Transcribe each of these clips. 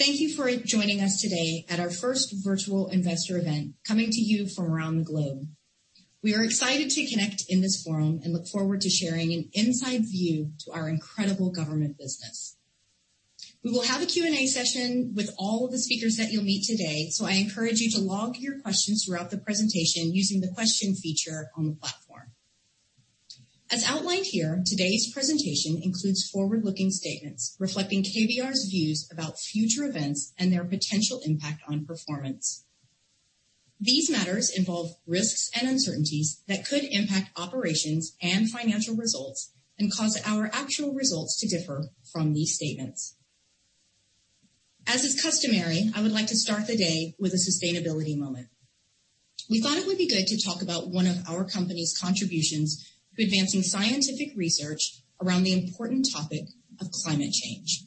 Thank you for joining us today at our first virtual investor event, coming to you from around the globe. We are excited to connect in this forum and look forward to sharing an inside view to our incredible government business. We will have a Q&A session with all of the speakers that you'll meet today, so I encourage you to log your questions throughout the presentation using the question feature on the platform. As outlined here, today's presentation includes forward-looking statements reflecting KBR's views about future events and their potential impact on performance. These matters involve risks and uncertainties that could impact operations and financial results and cause our actual results to differ from these statements. As is customary, I would like to start the day with a sustainability moment. We thought it would be good to talk about one of our company's contributions to advancing scientific research around the important topic of climate change.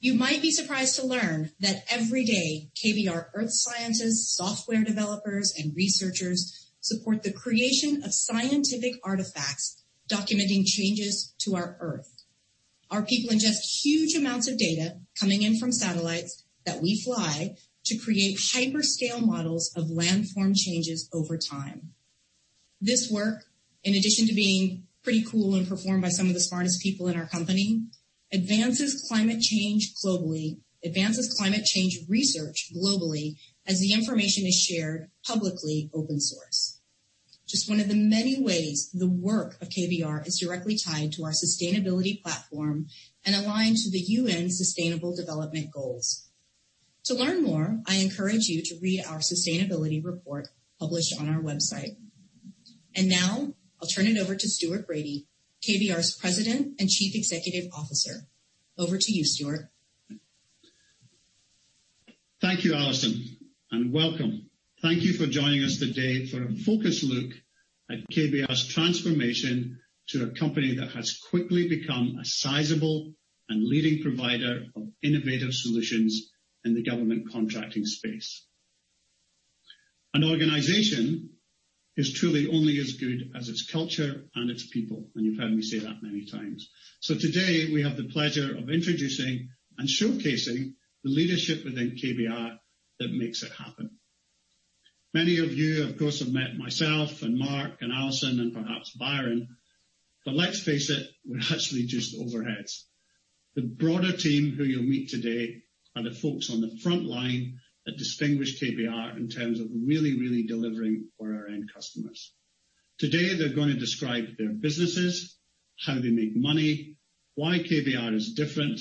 You might be surprised to learn that every day, KBR earth scientists, software developers, and researchers support the creation of scientific artifacts documenting changes to our earth. Our people ingest huge amounts of data coming in from satellites that we fly to create hyper-scale models of land form changes over time. This work, in addition to being pretty cool and performed by some of the smartest people in our company, advances climate change research globally as the information is shared publicly open source. Just one of the many ways the work of KBR is directly tied to our sustainability platform and aligned to the UN Sustainable Development Goals. To learn more, I encourage you to read our sustainability report published on our website. Now I'll turn it over to Stuart Bradie, KBR's President and Chief Executive Officer. Over to you, Stuart. Thank you, Alison, and welcome. Thank you for joining us today for a focused look at KBR's transformation to a company that has quickly become a sizable and leading provider of innovative solutions in the government contracting space. An organization is truly only as good as its culture and its people, and you've heard me say that many times. Today, we have the pleasure of introducing and showcasing the leadership within KBR that makes it happen. Many of you, of course, have met myself and Mark and Alison and perhaps Byron, but let's face it, we're actually just overheads. The broader team who you'll meet today are the folks on the front line that distinguish KBR in terms of really delivering for our end customers. Today, they're going to describe their businesses, how they make money, why KBR is different,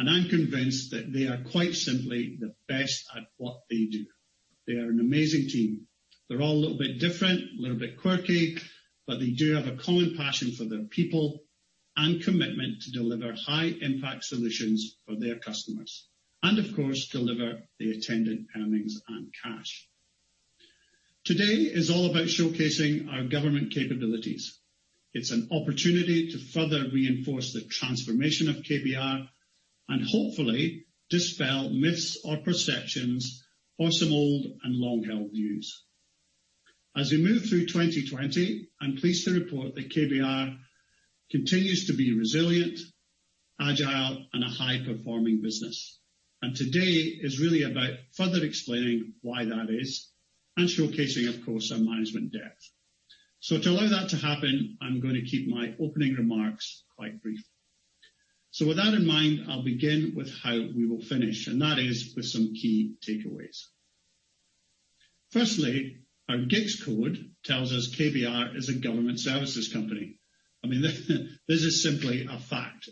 I'm convinced that they are quite simply the best at what they do. They are an amazing team. They're all a little bit different, a little bit quirky, but they do have a common passion for their people and commitment to deliver high-impact solutions for their customers, and of course, deliver the attendant earnings and cash. Today is all about showcasing our government capabilities. It's an opportunity to further reinforce the transformation of KBR and hopefully dispel myths or perceptions or some old and long-held views. As we move through 2020, I'm pleased to report that KBR continues to be resilient, agile, and a high-performing business. Today is really about further explaining why that is and showcasing, of course, our management depth. To allow that to happen, I'm going to keep my opening remarks quite brief. With that in mind, I'll begin with how we will finish, and that is with some key takeaways. Firstly, our GICS code tells us KBR is a Government Solutions company. I mean, this is simply a fact.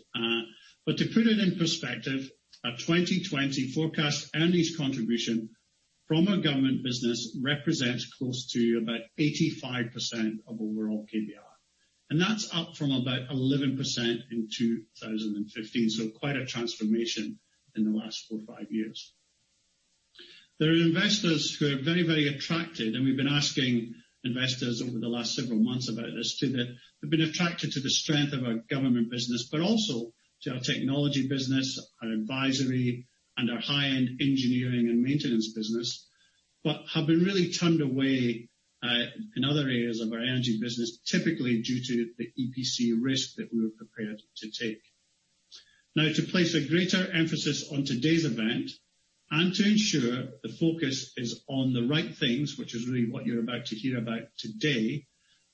To put it in perspective, our 2020 forecast earnings contribution from our government business represents close to about 85% of overall KBR, and that's up from about 11% in 2015, so quite a transformation in the last four or five years. There are investors who are very, very attracted. We've been asking investors over the last several months about this too, they've been attracted to the strength of our government business, also to our technology business, our advisory, and our high-end engineering and maintenance business but have been really turned away in other areas of our energy business, typically due to the EPC risk that we were prepared to take. To place a greater emphasis on today's event and to ensure the focus is on the right things, which is really what you're about to hear about today,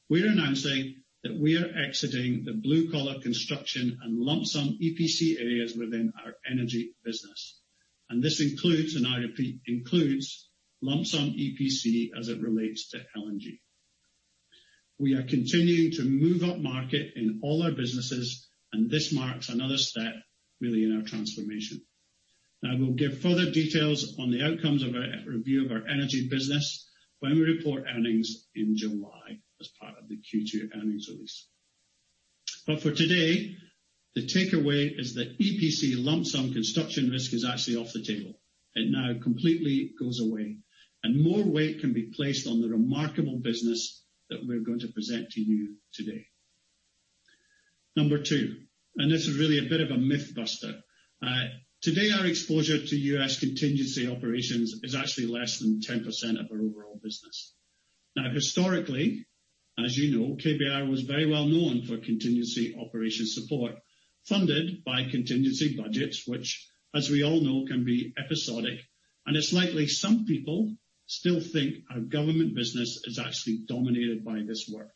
we're announcing that we are exiting the blue-collar construction and lump sum EPC areas within our energy business. This includes, and I repeat, includes lump sum EPC as it relates to LNG. We are continuing to move upmarket in all our businesses. This marks another step, really, in our transformation. We'll give further details on the outcomes of our review of our energy business when we report earnings in July as part of the Q2 earnings release. For today, the takeaway is that EPC lump sum construction risk is actually off the table. It now completely goes away, and more weight can be placed on the remarkable business that we're going to present to you today. Number two, this is really a bit of a myth buster. Today our exposure to U.S. contingency operations is actually less than 10% of our overall business. Historically, as you know, KBR was very well-known for contingency operations support, funded by contingency budgets, which, as we all know, can be episodic. It's likely some people still think our government business is actually dominated by this work.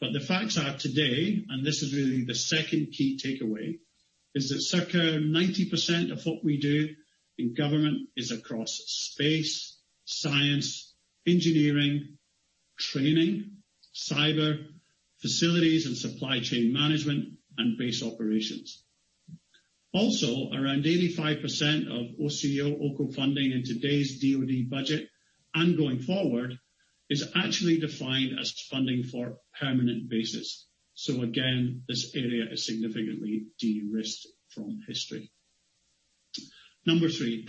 The facts are today, and this is really the second key takeaway, is that circa 90% of what we do in government is across space, science, engineering, training, cyber, facilities and supply chain management, and base operations. Around 85% of OCO funding in today's DOD budget and going forward is actually defined as funding for permanent bases. Again, this area is significantly de-risked from history. Number three,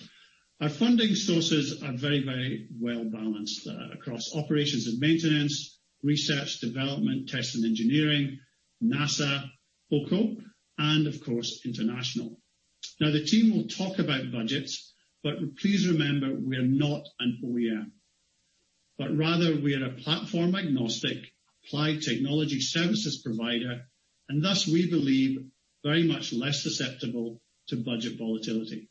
our funding sources are very well-balanced across operations and maintenance, research, development, test and engineering, NASA, OCO, and of course, international. The team will talk about budgets, but please remember, we're not an OEM, but rather we're a platform-agnostic applied technology services provider, and thus, we believe very much less susceptible to budget volatility.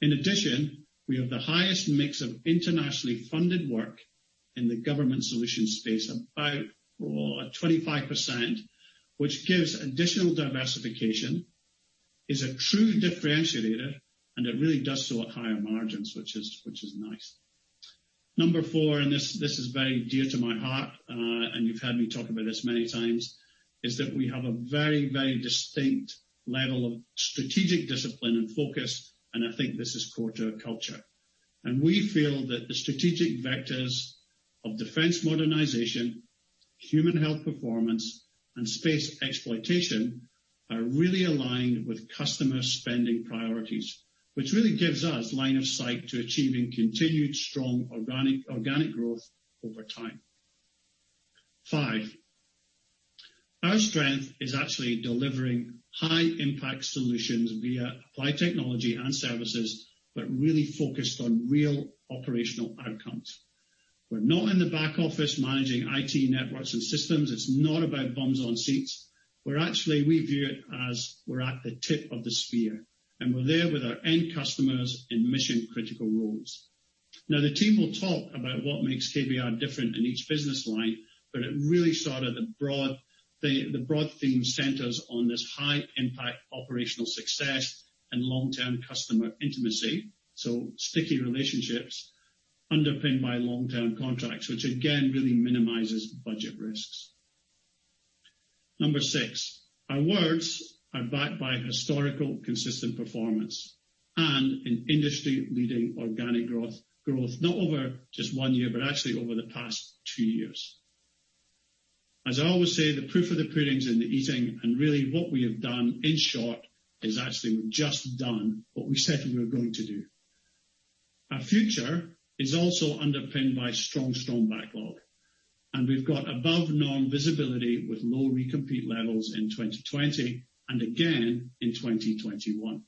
We have the highest mix of internationally funded work in the government solution space, about 25%, which gives additional diversification, is a true differentiator, and it really does saw higher margins, which is nice. Number four, and this is very dear to my heart, and you've heard me talk about this many times, is that we have a very distinct level of strategic discipline and focus, and I think this is core to our culture. We feel that the strategic vectors of defense modernization, human health performance, and space exploitation are really aligned with customer spending priorities, which really gives us line of sight to achieving continued strong organic growth over time. Five, our strength is actually delivering high-impact solutions via applied technology and services, really focused on real operational outcomes. We're not in the back office managing IT networks and systems. It's not about bums on seats. We view it as we're at the tip of the spear, and we're there with our end customers in mission-critical roles. The team will talk about what makes KBR different in each business line, but it really started the broad theme centers on this high-impact operational success and long-term customer intimacy, so sticky relationships underpinned by long-term contracts, which again really minimizes budget risks. Number six, our words are backed by historical consistent performance and an industry-leading organic growth. Growth not over just one year but actually over the past two years. As I always say, the proof of the pudding's in the eating. Really what we have done, in short, is actually we've just done what we said we were going to do. Our future is also underpinned by strong backlog. We've got above non-visibility with low recompete levels in 2020 and again in 2021.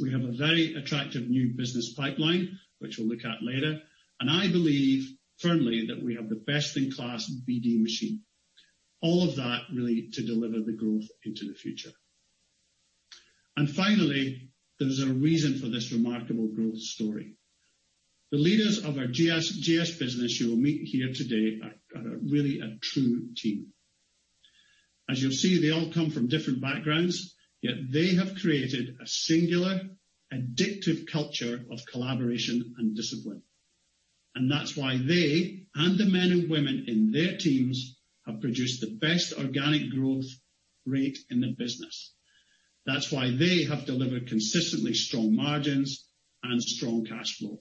We have a very attractive new business pipeline, which we'll look at later. I believe firmly that we have the best-in-class BD machine. All of that really to deliver the growth into the future. Finally, there's a reason for this remarkable growth story. The leaders of our GS business you will meet here today are really a true team. As you'll see, they all come from different backgrounds, yet they have created a singular, addictive culture of collaboration and discipline. That's why they and the men and women in their teams have produced the best organic growth rate in the business. That's why they have delivered consistently strong margins and strong cash flow.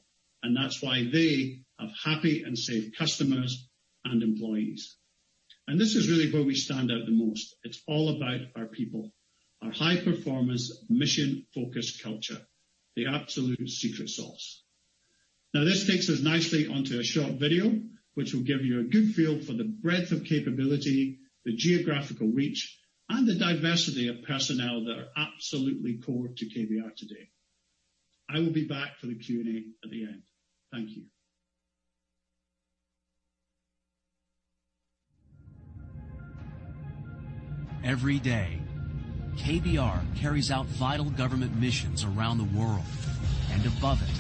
That's why they have happy and safe customers and employees. This is really where we stand out the most. It's all about our people, our high-performance, mission-focused culture, the absolute secret sauce. Now this takes us nicely onto a short video, which will give you a good feel for the breadth of capability, the geographical reach, and the diversity of personnel that are absolutely core to KBR today. I will be back for the Q&A at the end. Thank you. Every day, KBR carries out vital government missions around the world and above it.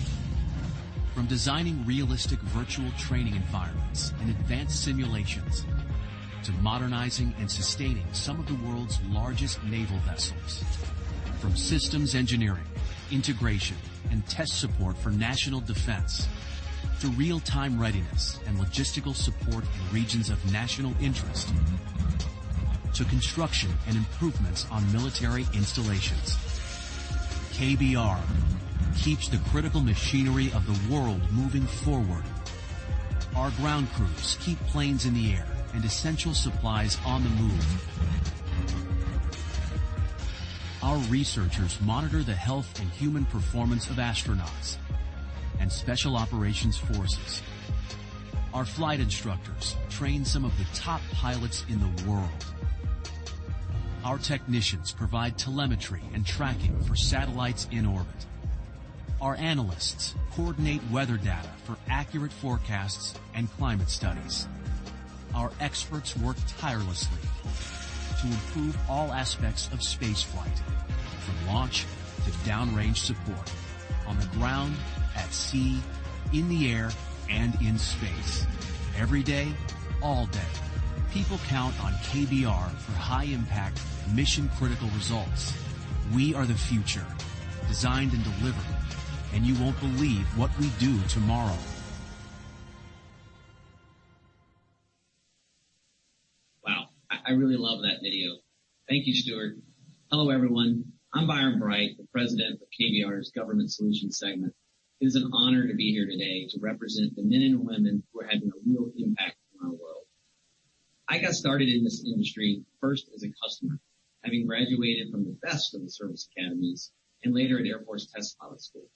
From designing realistic virtual training environments and advanced simulations to modernizing and sustaining some of the world's largest naval vessels. From systems engineering, integration, and test support for national defense to real-time readiness and logistical support in regions of national interest to construction and improvements on military installations. KBR keeps the critical machinery of the world moving forward. Our ground crews keep planes in the air and essential supplies on the move. Our researchers monitor the health and human performance of astronauts and special operations forces. Our flight instructors train some of the top pilots in the world. Our technicians provide telemetry and tracking for satellites in orbit. Our analysts coordinate weather data for accurate forecasts and climate studies. Our experts work tirelessly to improve all aspects of space flight, from launch to downrange support, on the ground, at sea, in the air, and in space. Every day, all day, people count on KBR for high-impact, mission-critical results. We are the future, designed and delivered, and you won't believe what we do tomorrow. Wow, I really love that video. Thank you, Stuart. Hello, everyone. I'm Byron Bright, the President of KBR's Government Solutions segment. It is an honor to be here today to represent the men and women who are having a real impact in our world. I got started in this industry first as a customer. Having graduated from the best of the service academies, and later at Air Force Test Pilot School,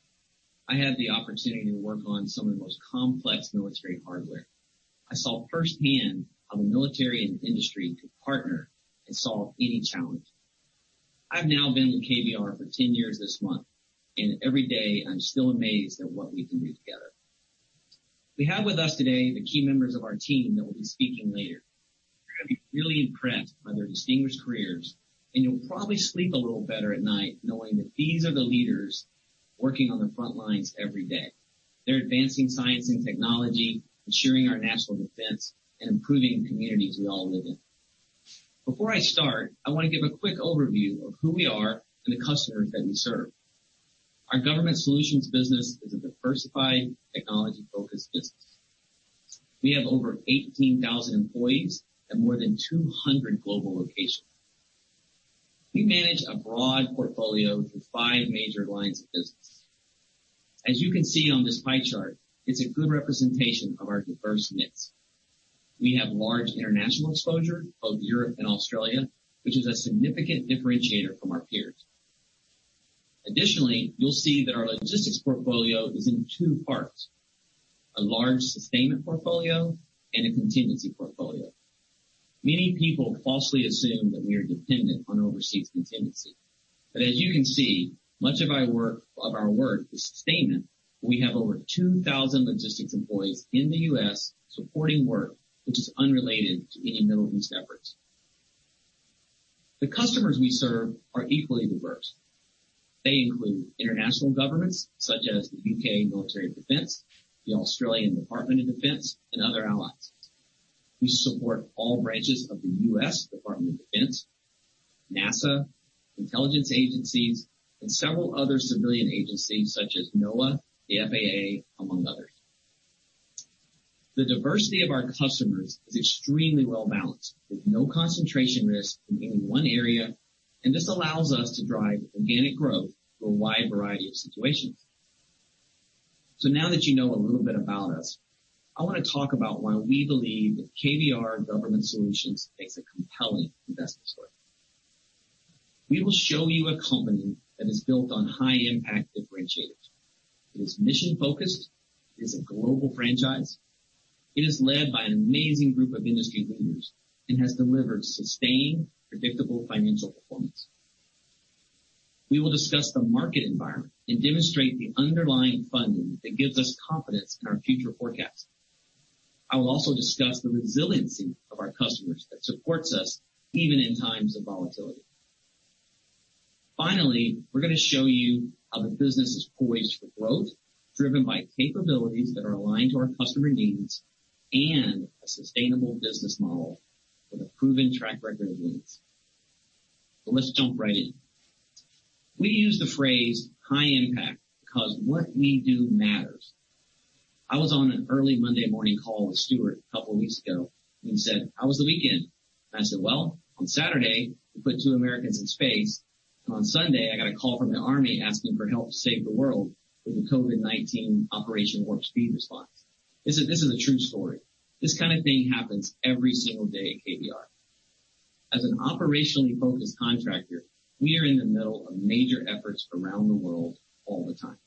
I had the opportunity to work on some of the most complex military hardware. I saw firsthand how the military and industry could partner and solve any challenge. I've now been with KBR for 10 years this month, every day, I'm still amazed at what we can do together. We have with us today the key members of our team that will be speaking later. You're going to be really impressed by their distinguished careers, and you'll probably sleep a little better at night knowing that these are the leaders working on the front lines every day. They're advancing science and technology, ensuring our national defense, and improving the communities we all live in. Before I start, I want to give a quick overview of who we are and the customers that we serve. Our Government Solutions business is a diversified, technology-focused business. We have over 18,000 employees at more than 200 global locations. We manage a broad portfolio through five major lines of business. As you can see on this pie chart, it's a good representation of our diverse mix. We have large international exposure, both Europe and Australia, which is a significant differentiator from our peers. Additionally, you'll see that our logistics portfolio is in two parts, a large sustainment portfolio and a contingency portfolio. Many people falsely assume that we are dependent on overseas contingency. As you can see, much of our work is sustainment. We have over 2,000 logistics employees in the U.S. supporting work which is unrelated to any Middle East efforts. The customers we serve are equally diverse. They include international governments, such as the UK Ministry of Defence, the Australian Department of Defence, and other allies. We support all branches of the U.S. Department of Defense, NASA, intelligence agencies, and several other civilian agencies such as NOAA, the FAA, among others. The diversity of our customers is extremely well-balanced, with no concentration risk in any one area, this allows us to drive organic growth for a wide variety of situations. Now that you know a little bit about us, I want to talk about why we believe that KBR Government Solutions makes a compelling investment story. We will show you a company that is built on high-impact differentiators. It is mission-focused. It is a global franchise. It is led by an amazing group of industry leaders and has delivered sustained, predictable financial performance. We will discuss the market environment and demonstrate the underlying funding that gives us confidence in our future forecasts. I will also discuss the resiliency of our customers that supports us even in times of volatility. Finally, we're going to show you how the business is poised for growth, driven by capabilities that are aligned to our customer needs and a sustainable business model with a proven track record of wins. Let's jump right in. We use the phrase high impact because what we do matters. I was on an early Monday morning call with Stuart a couple of weeks ago, and he said, "How was the weekend?" I said, "Well, on Saturday, we put two Americans in space, and on Sunday, I got a call from the army asking for help to save the world with the COVID-19 Operation Warp Speed response." This is a true story. This kind of thing happens every single day at KBR. As an operationally focused contractor, we are in the middle of major efforts around the world all the time.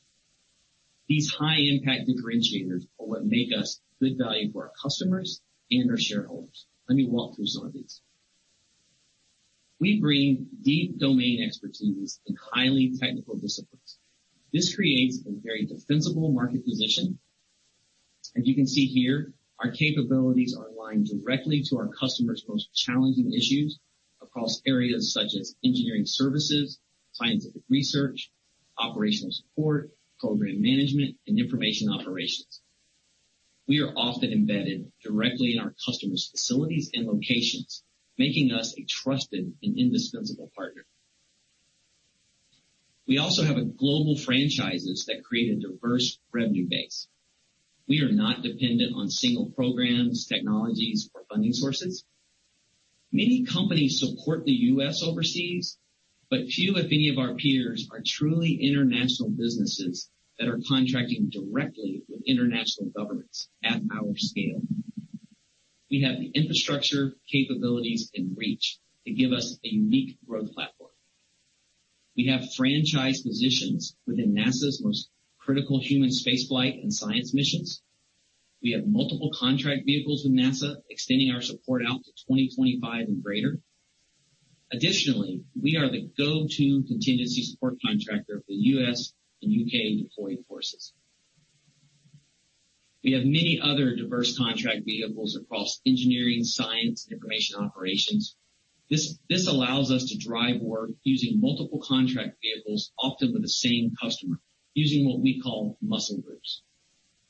These high-impact differentiators are what make us good value for our customers and our shareholders. Let me walk through some of these. We bring deep domain expertise in highly technical disciplines. This creates a very defensible market position. As you can see here, our capabilities are aligned directly to our customers' most challenging issues across areas such as engineering services, scientific research, operational support, program management, and information operations. We are often embedded directly in our customers' facilities and locations, making us a trusted and indispensable partner. We also have global franchises that create a diverse revenue base. We are not dependent on single programs, technologies, or funding sources. Many companies support the U.S. overseas, but few, if any, of our peers are truly international businesses that are contracting directly with international governments at our scale. We have the infrastructure, capabilities, and reach that give us a unique growth platform. We have franchise positions within NASA's most critical human space flight and science missions. We have multiple contract vehicles with NASA extending our support out to 2025 and greater. Additionally, we are the go-to contingency support contractor for the U.S. and U.K. deployed forces. We have many other diverse contract vehicles across engineering, science, and information operations. This allows us to drive work using multiple contract vehicles, often with the same customer, using what we call muscle groups.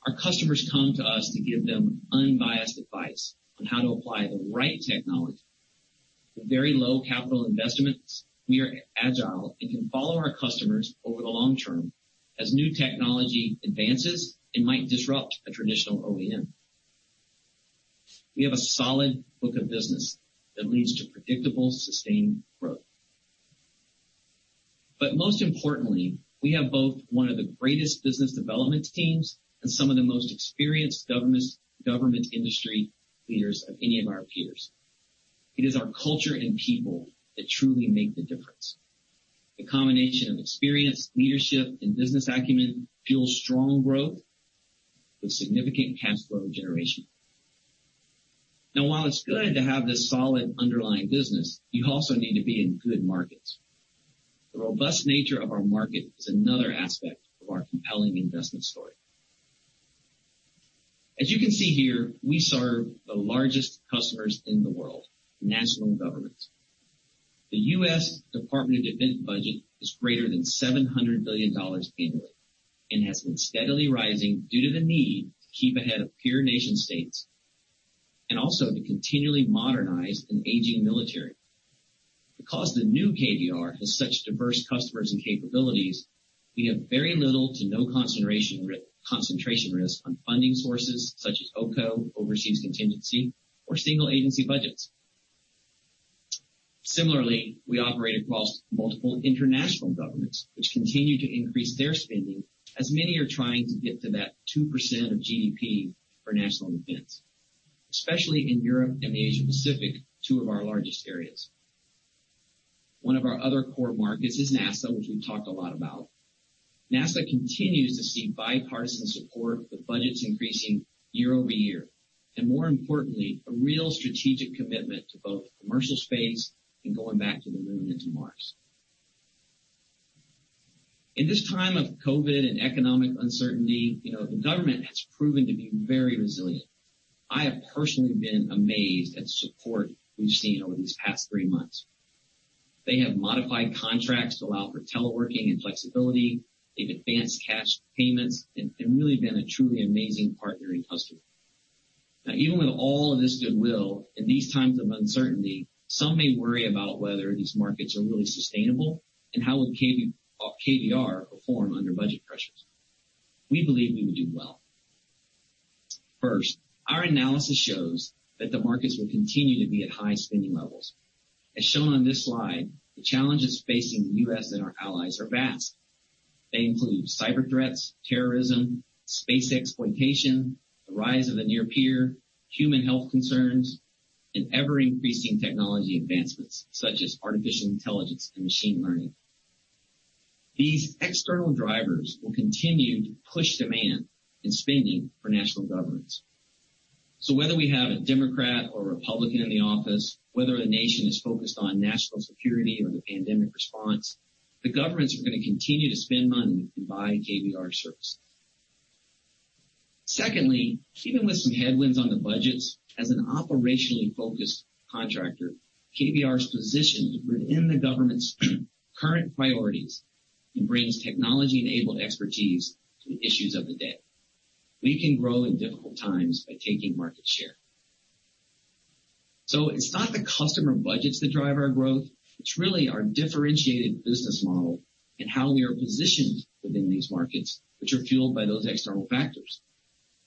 Our customers come to us to give them unbiased advice on how to apply the right technology. With very low capital investments, we are agile and can follow our customers over the long term as new technology advances and might disrupt a traditional OEM. We have a solid book of business that leads to predictable, sustained growth. Most importantly, we have both one of the greatest business development teams and some of the most experienced government industry leaders of any of our peers. It is our culture and people that truly make the difference. The combination of experience, leadership, and business acumen fuels strong growth with significant cash flow generation. While it's good to have this solid underlying business, you also need to be in good markets. The robust nature of our market is another aspect of our compelling investment story. As you can see here, we serve the largest customers in the world, national governments. The U.S. Department of Defense budget is greater than $700 billion annually and has been steadily rising due to the need to keep ahead of peer nation states, and also to continually modernize an aging military. Because the new KBR has such diverse customers and capabilities, we have very little to no concentration risk on funding sources such as OCO, overseas contingency, or single agency budgets. Similarly, we operate across multiple international governments, which continue to increase their spending as many are trying to get to that 2% of GDP for national defense, especially in Europe and the Asia Pacific, two of our largest areas. One of our other core markets is NASA, which we've talked a lot about. NASA continues to see bipartisan support with budgets increasing year-over-year, and more importantly, a real strategic commitment to both commercial space and going back to the moon and to Mars. In this time of COVID-19 and economic uncertainty, the government has proven to be very resilient. I have personally been amazed at the support we've seen over these past three months. They have modified contracts to allow for teleworking and flexibility. They've advanced cash payments and really been a truly amazing partnering customer. Even with all of this goodwill, in these times of uncertainty, some may worry about whether these markets are really sustainable and how will KBR perform under budget pressures. We believe we will do well. First, our analysis shows that the markets will continue to be at high spending levels. As shown on this slide, the challenges facing the U.S. and our allies are vast. They include cyber threats, terrorism, space exploitation, the rise of the near-peer, human health concerns, and ever-increasing technology advancements such as artificial intelligence and machine learning. These external drivers will continue to push demand and spending for national governments. Whether we have a Democrat or Republican in the office, whether the nation is focused on national security or the pandemic response, the governments are going to continue to spend money and buy KBR services. Secondly, even with some headwinds on the budgets, as an operationally focused contractor, KBR is positioned within the government's current priorities and brings technology-enabled expertise to the issues of the day. We can grow in difficult times by taking market share. It's not the customer budgets that drive our growth. It's really our differentiated business model and how we are positioned within these markets, which are fueled by those external factors.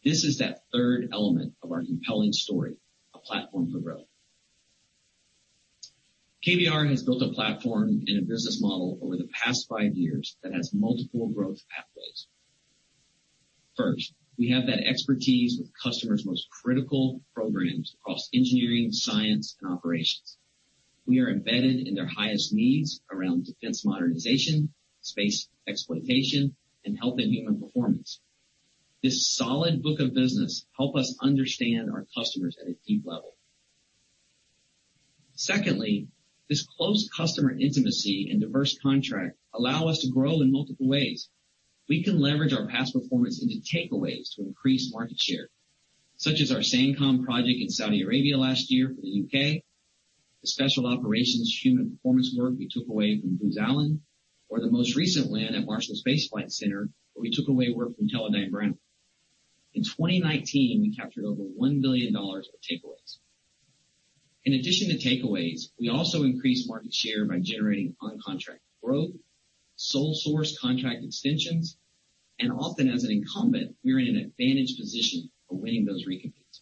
This is that third element of our compelling story, a platform for growth. KBR has built a platform and a business model over the past 5 years that has multiple growth pathways. First, we have that expertise with customers' most critical programs across engineering, science, and operations. We are embedded in their highest needs around defense modernization, space exploitation, and health and human performance. This solid book of business help us understand our customers at a deep level. Secondly, this close customer intimacy and diverse contract allow us to grow in multiple ways. We can leverage our past performance into takeaways to increase market share, such as our SANGCOM project in Saudi Arabia last year for the U.K., the special operations human performance work we took away from Booz Allen, or the most recent win at Marshall Space Flight Center, where we took away work from Teledyne Brown. In 2019, we captured over $1 billion of takeaways. In addition to takeaways, we also increased market share by generating on-contract growth, sole source contract extensions, and often as an incumbent, we are in an advantaged position for winning those recompetes.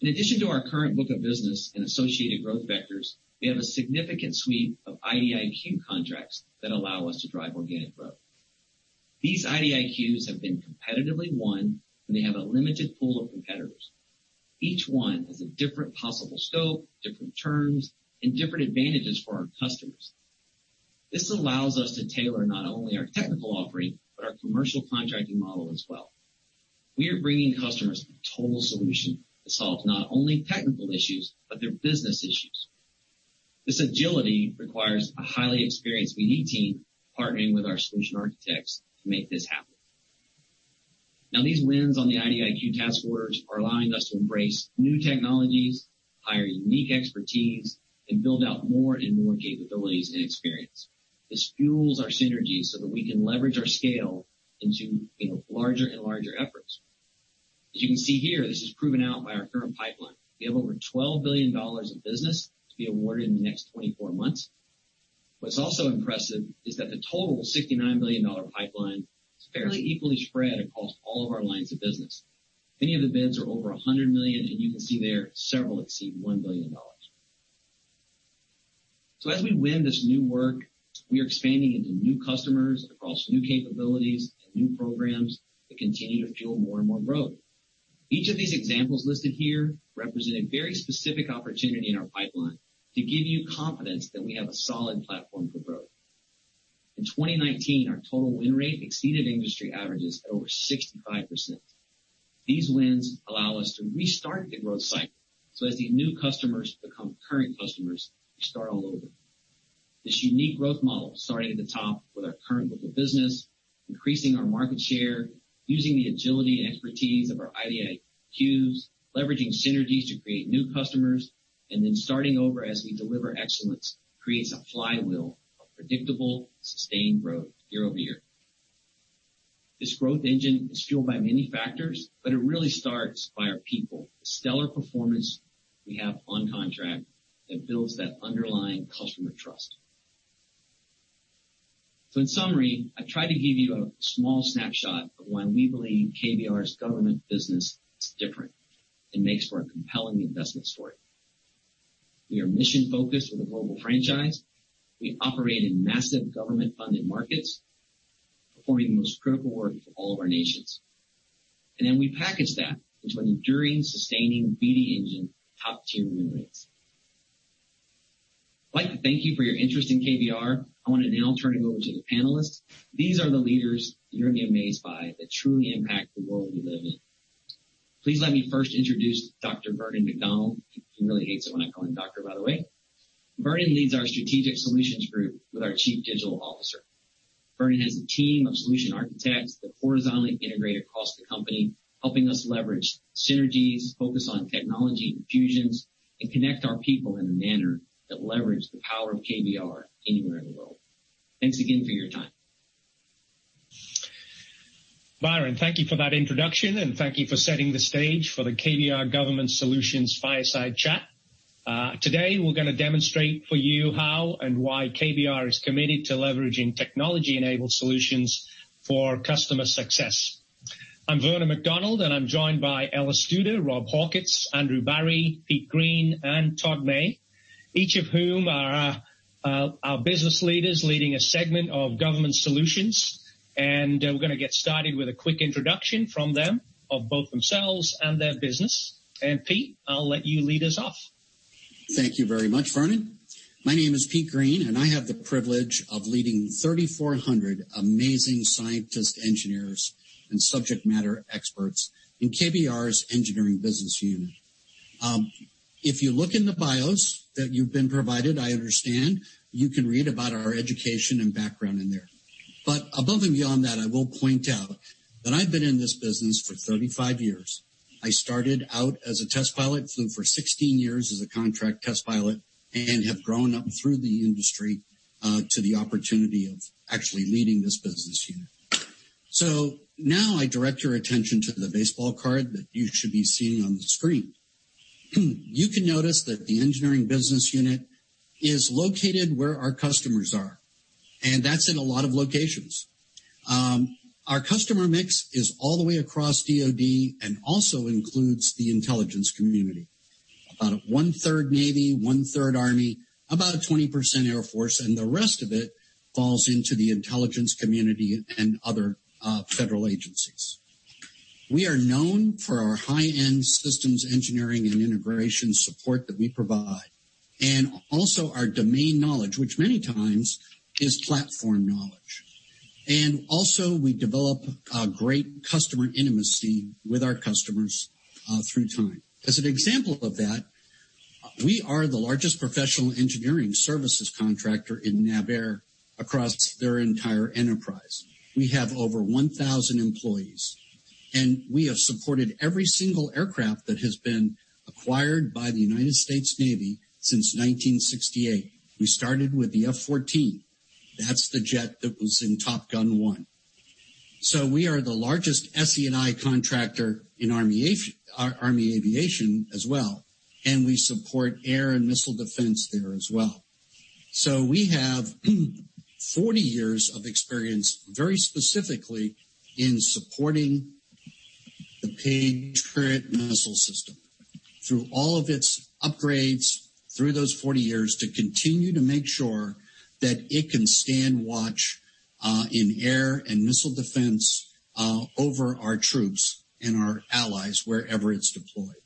In addition to our current book of business and associated growth vectors, we have a significant suite of IDIQ contracts that allow us to drive organic growth. These IDIQs have been competitively won, they have a limited pool of competitors. Each one has a different possible scope, different terms, and different advantages for our customers. This allows us to tailor not only our technical offering but our commercial contracting model as well. We are bringing customers a total solution to solve not only technical issues but their business issues. This agility requires a highly experienced BD team partnering with our solution architects to make this happen. These wins on the IDIQ task orders are allowing us to embrace new technologies, hire unique expertise, and build out more and more capabilities and experience. This fuels our synergies so that we can leverage our scale into larger and larger efforts. As you can see here, this is proven out by our current pipeline. We have over $12 billion of business to be awarded in the next 24 months. What's also impressive is that the total $69 billion pipeline is fairly equally spread across all of our lines of business. Many of the bids are over $100 million. You can see there, several exceed $1 billion. As we win this new work, we are expanding into new customers across new capabilities and new programs that continue to fuel more and more growth. Each of these examples listed here represent a very specific opportunity in our pipeline to give you confidence that we have a solid platform for growth. In 2019, our total win rate exceeded industry averages at over 65%. These wins allow us to restart the growth cycle. As the new customers become current customers, we start all over. This unique growth model, starting at the top with our current book of business, increasing our market share, using the agility and expertise of our IDIQs, leveraging synergies to create new customers. Then starting over as we deliver excellence, creates a flywheel of predictable, sustained growth year-over-year. This growth engine is fueled by many factors. It really starts by our people. The stellar performance we have on contract that builds that underlying customer trust. In summary, I've tried to give you a small snapshot of why we believe KBR's Government Solutions business is different and makes for a compelling investment story. We are mission-focused with a global franchise. We operate in massive government-funded markets, performing the most critical work for all of our nations. Then we package that into an enduring, sustaining BD engine with top-tier win rates. I'd like to thank you for your interest in KBR. I want to now turn it over to the panelists. These are the leaders you're going to be amazed by that truly impact the world we live in. Please let me first introduce Dr. Vernon McDonald. He really hates it when I call him Doctor, by the way. Vernon leads our strategic solutions group with our chief digital officer. Vernon has a team of solution architects that horizontally integrate across the company, helping us leverage synergies, focus on technology infusions, and connect our people in a manner that leverages the power of KBR anywhere in the world. Thanks again for your time. Byron, thank you for that introduction. Thank you for setting the stage for the KBR Government Solutions Fireside Chat. Today, we're going to demonstrate for you how and why KBR is committed to leveraging technology-enabled solutions for customer success. I'm Vernon McDonald. I'm joined by Ella Studer, Rob Hawkins, Andrew Barrie, Pete Green, and Todd May, each of whom are our business leaders leading a segment of Government Solutions. We're going to get started with a quick introduction from them of both themselves and their business. Pete, I'll let you lead us off. Thank you very much, Vernon. My name is Pete Green, I have the privilege of leading 3,400 amazing scientist engineers and subject matter experts in KBR's engineering business unit. If you look in the bios that you've been provided, I understand you can read about our education and background in there. Above and beyond that, I will point out that I've been in this business for 35 years. I started out as a test pilot, flew for 16 years as a contract test pilot, and have grown up through the industry, to the opportunity of actually leading this business unit. Now I direct your attention to the baseball card that you should be seeing on the screen. You can notice that the engineering business unit is located where our customers are, and that's in a lot of locations. Our customer mix is all the way across DoD and also includes the intelligence community. About one-third Navy, one-third Army, about 20% Air Force, and the rest of it falls into the intelligence community and other federal agencies. We are known for our high-end systems engineering and integration support that we provide, and also our domain knowledge, which many times is platform knowledge. Also we develop a great customer intimacy with our customers through time. As an example of that, we are the largest professional engineering services contractor in NAVAIR across their entire enterprise. We have over 1,000 employees, and we have supported every single aircraft that has been acquired by the United States Navy since 1968. We started with the F-14. That's the jet that was in Top Gun 1. We are the largest SE&I contractor in Army Aviation as well, and we support air and missile defense there as well. We have 40 years of experience, very specifically in supporting the Patriot missile system through all of its upgrades through those 40 years to continue to make sure that it can stand watch in air and missile defense over our troops and our allies wherever it's deployed.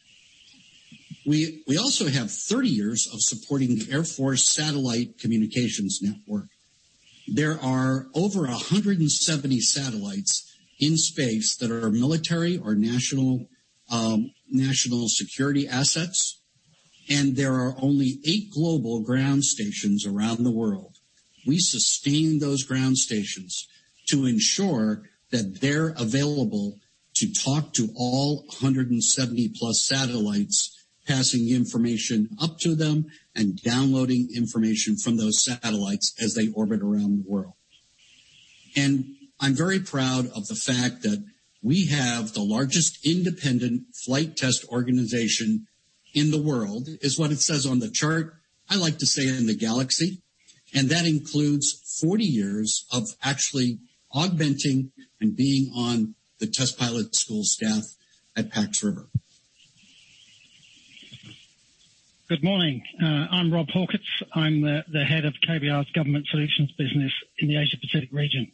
We also have 30 years of supporting the Air Force Satellite Communications network. There are over 170 satellites in space that are military or national security assets, and there are only eight global ground stations around the world. We sustain those ground stations to ensure that they're available to talk to all 170 plus satellites, passing information up to them and downloading information from those satellites as they orbit around the world. I'm very proud of the fact that we have the largest independent flight test organization in the world, is what it says on the chart. I like to say in the galaxy, and that includes 40 years of actually augmenting and being on the test pilot school staff at Pax River. Good morning. I'm Rob Hawkins. I'm the head of KBR's Government Solutions business in the Asia Pacific region.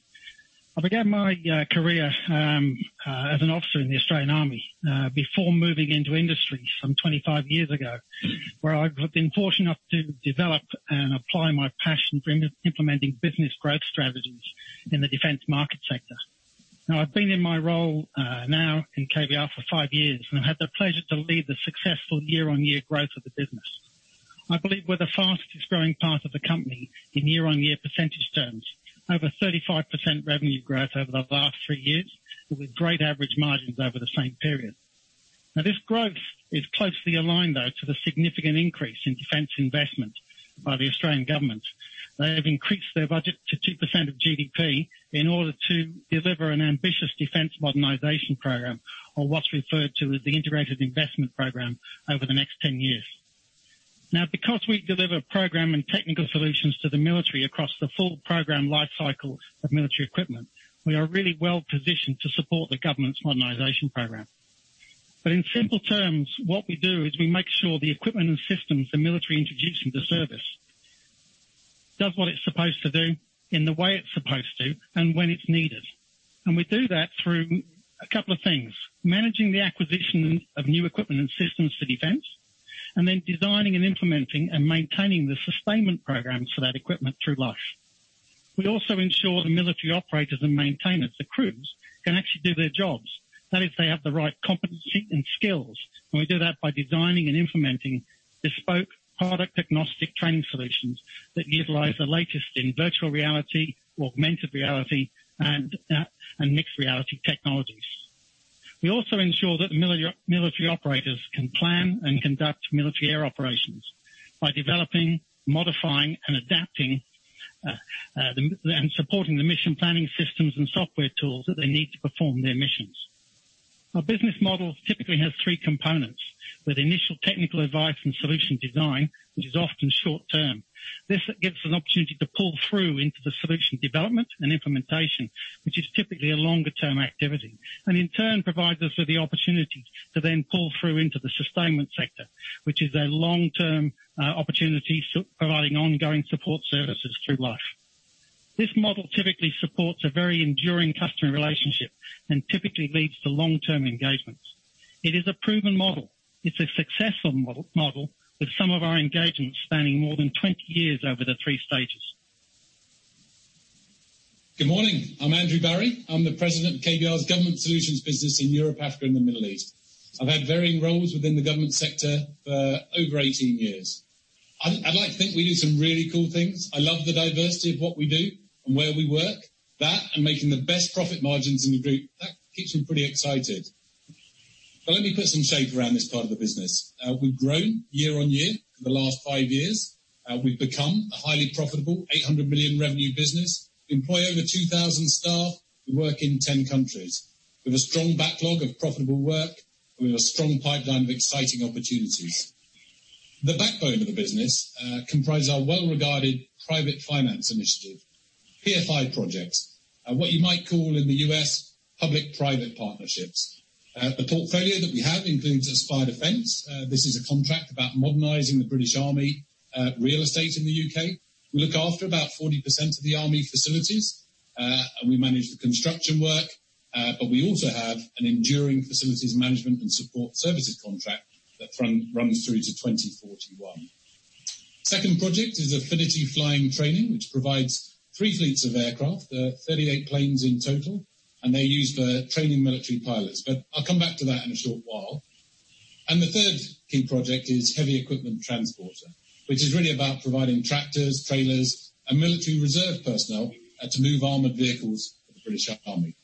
I began my career, as an officer in the Australian Army, before moving into industry some 25 years ago, where I've been fortunate enough to develop and apply my passion for implementing business growth strategies in the defense market sector. I've been in my role now in KBR for five years and have the pleasure to lead the successful year-over-year growth of the business. I believe we're the fastest growing part of the company in year-over-year percentage terms, over 35% revenue growth over the last three years, with great average margins over the same period. This growth is closely aligned though to the significant increase in defense investment by the Australian government. They have increased their budget to 2% of GDP in order to deliver an ambitious defense modernization program or what's referred to as the Integrated Investment Program over the next 10 years. Because we deliver program and technical solutions to the military across the full program life cycles of military equipment, we are really well-positioned to support the government's modernization program. In simple terms, what we do is we make sure the equipment and systems the military introduce into service does what it's supposed to do in the way it's supposed to, and when it's needed. We do that through a couple of things. Managing the acquisition of new equipment and systems for defense, and then designing and implementing and maintaining the sustainment programs for that equipment through life. We also ensure the military operators and maintainers, the crews, can actually do their jobs. If they have the right competency and skills, and we do that by designing and implementing bespoke product agnostic training solutions that utilize the latest in virtual reality, augmented reality, and mixed reality technologies. We also ensure that military operators can plan and conduct military air operations by developing, modifying, and adapting, and supporting the mission planning systems and software tools that they need to perform their missions. Our business model typically has three components. Initial technical advice and solution design, which is often short-term. This gives us an opportunity to pull through into the solution development and implementation, which is typically a longer-term activity, and in turn provides us with the opportunity to then pull through into the sustainment sector, which is a long-term opportunity providing ongoing support services through life. This model typically supports a very enduring customer relationship and typically leads to long-term engagements. It is a proven model. It's a successful model with some of our engagements spanning more than 20 years over the 3 stages. Good morning. I'm Andrew Barrie. I'm the president of KBR's Government Solutions business in Europe, Africa, and the Middle East. I've had varying roles within the government sector for over 18 years. I'd like to think we do some really cool things. I love the diversity of what we do and where we work. That and making the best profit margins in the group. That keeps me pretty excited. Let me put some shape around this part of the business. We've grown year-on-year for the last five years. We've become a highly profitable $800 million revenue business. Employ over 2,000 staff who work in 10 countries. With a strong backlog of profitable work and with a strong pipeline of exciting opportunities. The backbone of the business comprises our well-regarded private finance initiative, PFI projects, what you might call in the U.S. public-private partnerships. A portfolio that we have includes Aspire Defence. This is a contract about modernizing the British Army real estate in the U.K. We look after about 40% of the army facilities, and we manage the construction work. We also have an enduring facilities management and support services contract that runs through to 2041. Second project is Affinity Flying Training Services, which provides three fleets of aircraft. There are 38 planes in total, and they're used for training military pilots. I'll come back to that in a short while. The third key project is Heavy Equipment Transporter, which is really about providing tractors, trailers, and military reserve personnel to move armored vehicles for the British Army.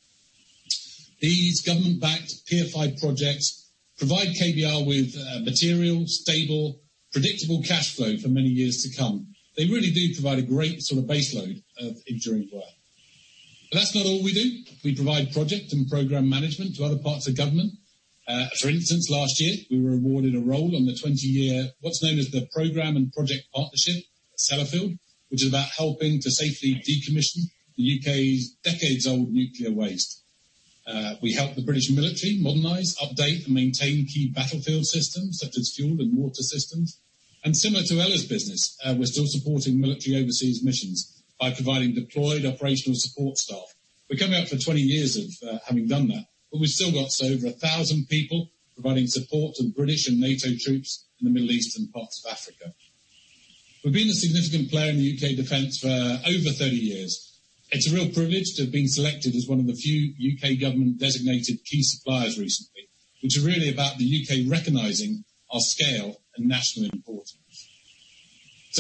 These government-backed PFI projects provide KBR with material stable, predictable cash flow for many years to come. They really do provide a great sort of base load of enduring work. That's not all we do. We provide project and program management to other parts of government. For instance, last year we were awarded a role on the 20-year, what's known as the program and project partnership at Sellafield, which is about helping to safely decommission the U.K.'s decades-old nuclear waste. We help the British military modernize, update, and maintain key battlefield systems such as fuel and water systems. Similar to Ella's business, we're still supporting military overseas missions by providing deployed operational support staff. We're coming up for 20 years of having done that, but we've still got over 1,000 people providing support to British and NATO troops in the Middle East and parts of Africa. We've been a significant player in the U.K. defense for over 30 years. It's a real privilege to have been selected as one of the few U.K. government-designated key suppliers recently, which is really about the U.K. recognizing our scale and national importance.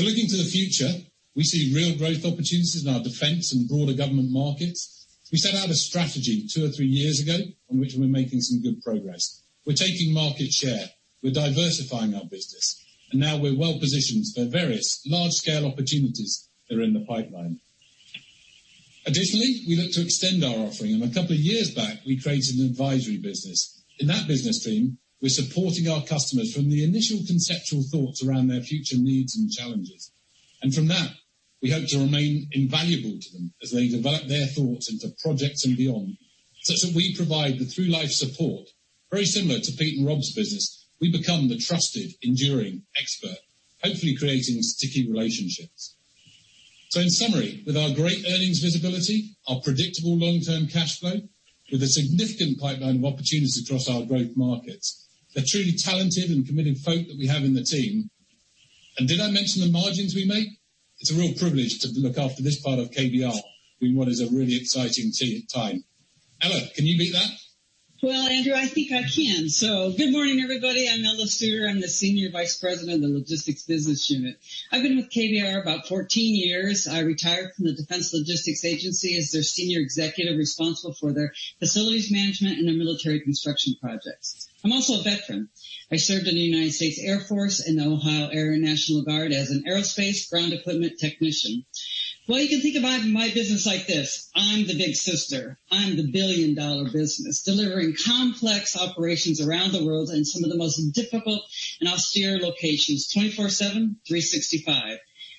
Looking to the future, we see real growth opportunities in our defense and broader government markets. We set out a strategy two or three years ago on which we're making some good progress. We're taking market share. We're diversifying our business, and now we're well positioned for various large-scale opportunities that are in the pipeline. Additionally, we look to extend our offering, and a couple of years back, we created an advisory business. In that business team, we're supporting our customers from the initial conceptual thoughts around their future needs and challenges. And from that, we hope to remain invaluable to them as they develop their thoughts into projects and beyond, such that we provide the through-life support, very similar to Pete and Rob's business. We become the trusted, enduring expert, hopefully creating sticky relationships. So in summary, with our great earnings visibility, our predictable long-term cash flow, with a significant pipeline of opportunities across our growth markets, the truly talented and committed folk that we have in the team. And did I mention the margins we make? It's a real privilege to look after this part of KBR in what is a really exciting time. Ella, can you beat that? Well, Andrew, I think I can. So good morning, everybody. I'm Ella Studer. I'm the Senior Vice President of the Logistics Business Unit. I've been with KBR about 14 years. I retired from the Defense Logistics Agency as their senior executive responsible for their facilities management and their military construction projects. I'm also a veteran. I served in the United States Air Force in the Ohio Air National Guard as an aerospace ground equipment technician. Well, you can think about my business like this: I'm the big sister. I'm the billion-dollar business, delivering complex operations around the world in some of the most difficult and austere locations, 24/7, 365.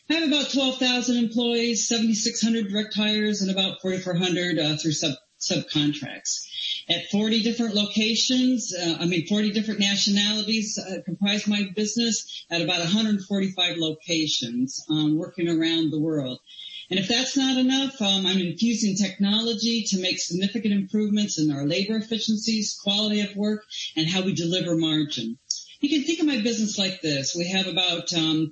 I have about 12,000 employees, 7,600 direct hires, and about 4,400 through subcontracts. 40 different nationalities comprise my business at about 145 locations working around the world. And if that's not enough, I'm infusing technology to make significant improvements in our labor efficiencies, quality of work, and how we deliver margin. You can think of my business like this: We have about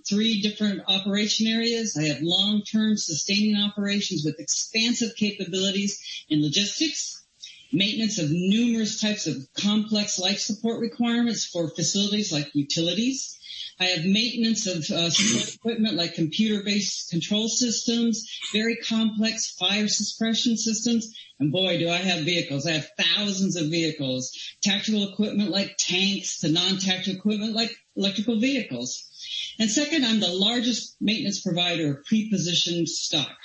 three different operation areas. I have long-term sustaining operations with expansive capabilities in logistics, maintenance of numerous types of complex life support requirements for facilities like utilities. I have maintenance of support equipment like computer-based control systems, very complex fire suppression systems, and boy, do I have vehicles. I have thousands of vehicles. Tactical equipment like tanks to non-tactical equipment like electrical vehicles. Second, I'm the largest maintenance provider of pre-positioned stock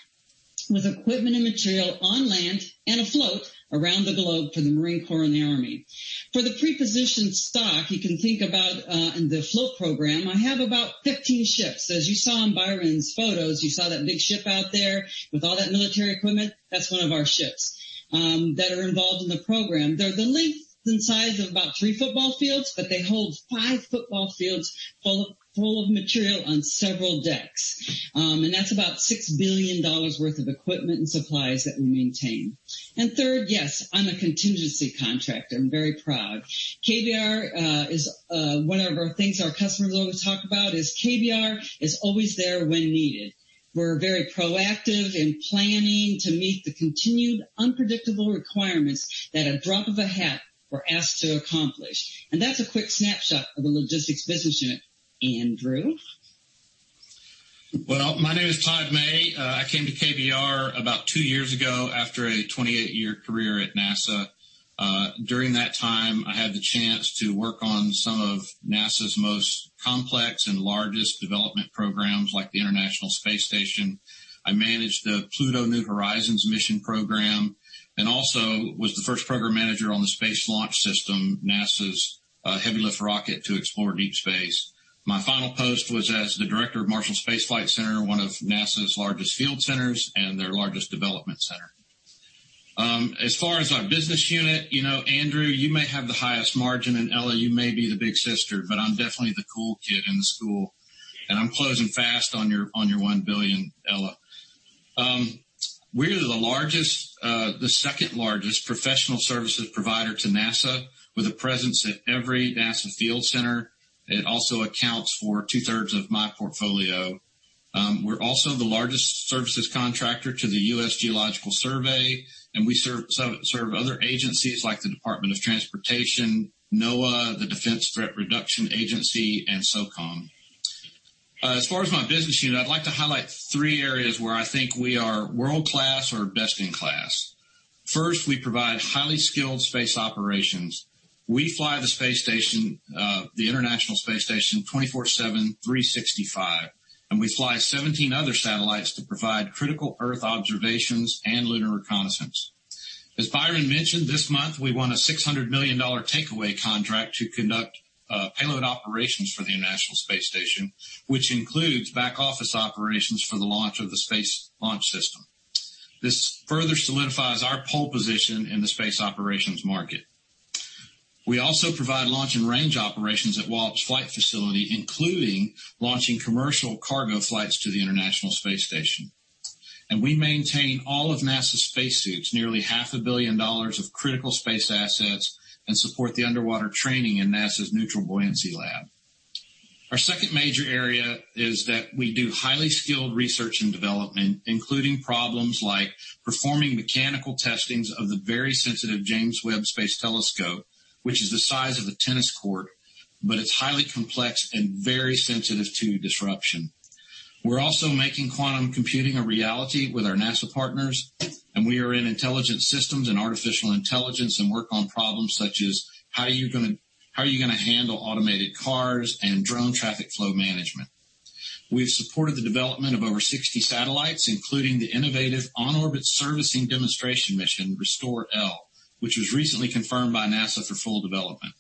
with equipment and material on land and afloat around the globe for the Marine Corps and the Army. For the pre-positioned stock, you can think about the afloat program. I have about 15 ships. As you saw in Byron's photos, you saw that big ship out there with all that military equipment. That's one of our ships that are involved in the program. They're the length and size of about three football fields, but they hold five football fields full of material on several decks. That's about $6 billion worth of equipment and supplies that we maintain. And third, yes, I'm a contingency contractor. I'm very proud. One of our things our customers always talk about is KBR is always there when needed. We're very proactive in planning to meet the continued unpredictable requirements that at drop of a hat we're asked to accomplish. That's a quick snapshot of the Logistics Business Unit. Andrew. Well, my name is Todd May. I came to KBR about two years ago after a 28-year career at NASA. During that time, I had the chance to work on some of NASA's most complex and largest development programs like the International Space Station. I managed the Pluto New Horizons mission program and also was the first program manager on the Space Launch System, NASA's heavy lift rocket to explore deep space. My final post was as the director of Marshall Space Flight Center, one of NASA's largest field centers and their largest development center. As far as our business unit, Andrew, you may have the highest margin, and Ella, you may be the big sister, but I'm definitely the cool kid in the school, and I'm closing fast on your $1 billion, Ella. We're the second largest professional services provider to NASA with a presence at every NASA field center. It also accounts for two-thirds of my portfolio. We're also the largest services contractor to the U.S. Geological Survey, and we serve other agencies like the Department of Transportation, NOAA, the Defense Threat Reduction Agency, and SOCOM. As far as my business unit, I'd like to highlight three areas where I think we are world-class or best in class. First, we provide highly skilled space operations. We fly the International Space Station 24/7, 365, and we fly 17 other satellites to provide critical Earth observations and lunar reconnaissance. As Byron mentioned, this month we won a $600 million takeaway contract to conduct payload operations for the International Space Station, which includes back-office operations for the launch of the Space Launch System. This further solidifies our pole position in the space operations market. We also provide launch and range operations at Wallops Flight Facility, including launching commercial cargo flights to the International Space Station. We maintain all of NASA's spacesuits, nearly half a billion dollars of critical space assets, and support the underwater training in NASA's Neutral Buoyancy Lab. Our second major area is that we do highly skilled research and development, including problems like performing mechanical testings of the very sensitive James Webb Space Telescope, which is the size of a tennis court, but it's highly complex and very sensitive to disruption. We're also making quantum computing a reality with our NASA partners, we are in intelligent systems and artificial intelligence and work on problems such as how are you going to handle automated cars and drone traffic flow management. We've supported the development of over 60 satellites, including the innovative on-orbit servicing demonstration mission, RESTORE-L, which was recently confirmed by NASA for full development.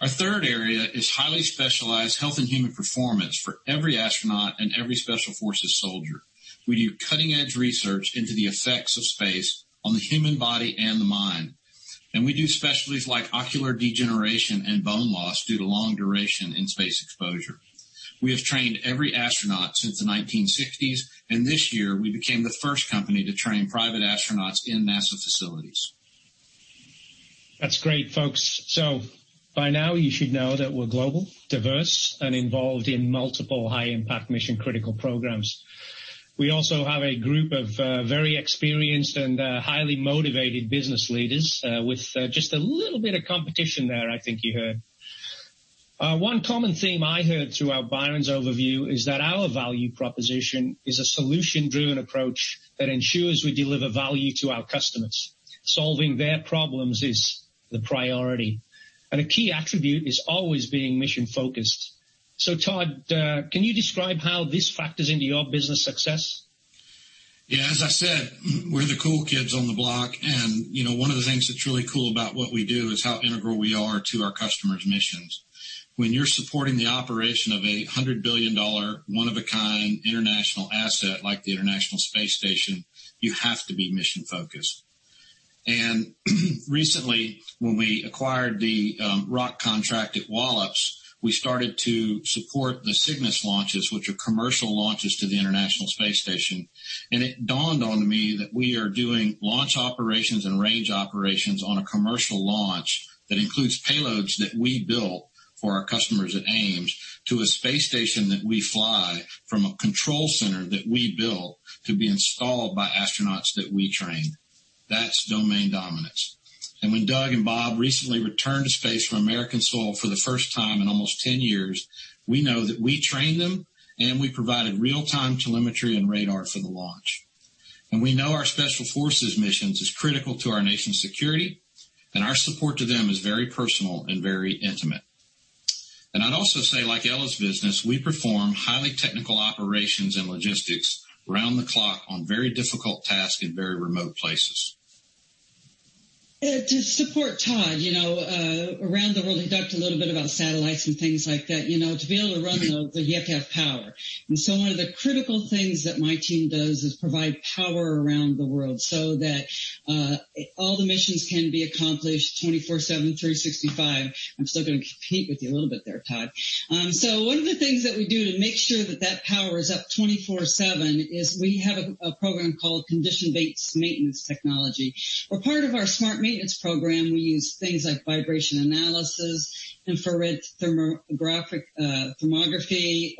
Our third area is highly specialized health and human performance for every astronaut and every Special Forces soldier. We do cutting-edge research into the effects of space on the human body and the mind, and we do specialties like ocular degeneration and bone loss due to long duration in space exposure. We have trained every astronaut since the 1960s, this year we became the first company to train private astronauts in NASA facilities. That's great, folks. By now you should know that we're global, diverse, and involved in multiple high-impact mission critical programs. We also have a group of very experienced and highly motivated business leaders with just a little bit of competition there, I think you heard. One common theme I heard throughout Byron's overview is that our value proposition is a solution-driven approach that ensures we deliver value to our customers. Solving their problems is the priority, and a key attribute is always being mission-focused. Todd, can you describe how this factors into your business success? Yeah, as I said, we're the cool kids on the block, and one of the things that's really cool about what we do is how integral we are to our customers' missions. When you're supporting the operation of a $100 billion one-of-a-kind international asset like the International Space Station, you have to be mission-focused. Recently, when we acquired the ROCK contract at Wallops, we started to support the Cygnus launches, which are commercial launches to the International Space Station. It dawned on me that we are doing launch operations and range operations on a commercial launch that includes payloads that we built for our customers at Ames to a space station that we fly from a control center that we built to be installed by astronauts that we train. That's domain dominance. When Doug and Bob recently returned to space from American soil for the first time in almost 10 years, we know that we trained them, and we provided real-time telemetry and radar for the launch. We know our Special Forces missions is critical to our nation's security, and our support to them is very personal and very intimate. I'd also say, like Ella's business, we perform highly technical operations and logistics around the clock on very difficult tasks in very remote places. To support Todd, around the world, he talked a little bit about satellites and things like that. To be able to run them, you have to have power. One of the critical things that my team does is provide power around the world so that all the missions can be accomplished 24/7, 365. I'm still going to compete with you a little bit there, Todd. One of the things that we do to make sure that that power is up 24/7 is we have a program called Condition-Based Maintenance Technology. For part of our smart maintenance program, we use things like vibration analysis, infrared thermography,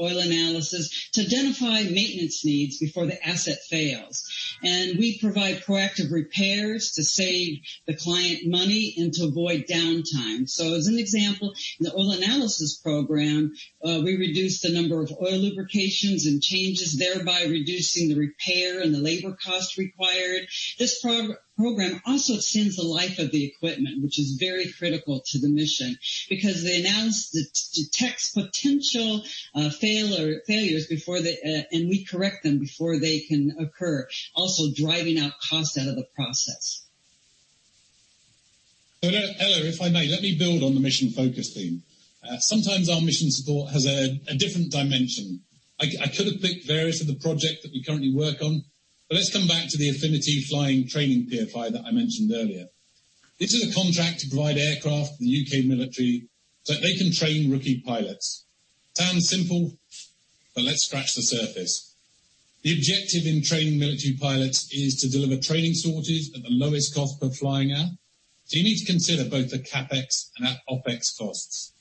oil analysis to identify maintenance needs before the asset fails. We provide proactive repairs to save the client money and to avoid downtime. As an example, in the Oil Analysis Program, we reduce the number of oil lubrications and changes, thereby reducing the repair and the labor cost required. This program also extends the life of the equipment, which is very critical to the mission, because they detect potential failures and we correct them before they can occur, also driving out cost out of the process. Ella, if I may, let me build on the mission focus theme. Sometimes our mission support has a different dimension. I could have picked various other project that we currently work on, but let's come back to the Affinity Flying Training PFI that I mentioned earlier. This is a contract to provide aircraft to the U.K. military so that they can train rookie pilots. Sounds simple, but let's scratch the surface. The objective in training military pilots is to deliver training sorties at the lowest cost per flying hour. You need to consider both the CapEx and OpEx costs.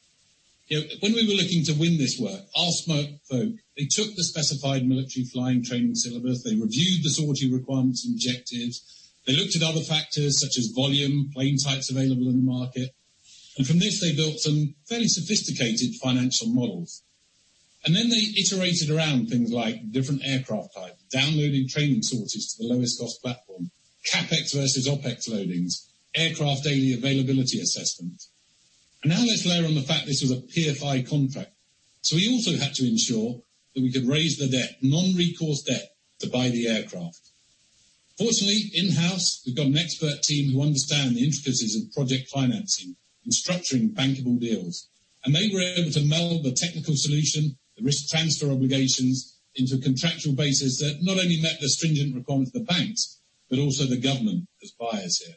When we were looking to win this work, our smart folk, they took the specified military flying training syllabus, they reviewed the sortie requirements and objectives. They looked at other factors such as volume, plane types available in the market. From this, they built some fairly sophisticated financial models. Then they iterated around things like different aircraft types, downloading training sources to the lowest cost platform, CapEx versus OpEx loadings, aircraft daily availability assessment. Now let's layer on the fact this was a PFI contract. We also had to ensure that we could raise the debt, non-recourse debt, to buy the aircraft. Fortunately, in-house, we've got an expert team who understand the intricacies of project financing and structuring bankable deals, and they were able to meld the technical solution, the risk transfer obligations, into contractual basis that not only met the stringent requirements of the banks, but also the government as buyers here.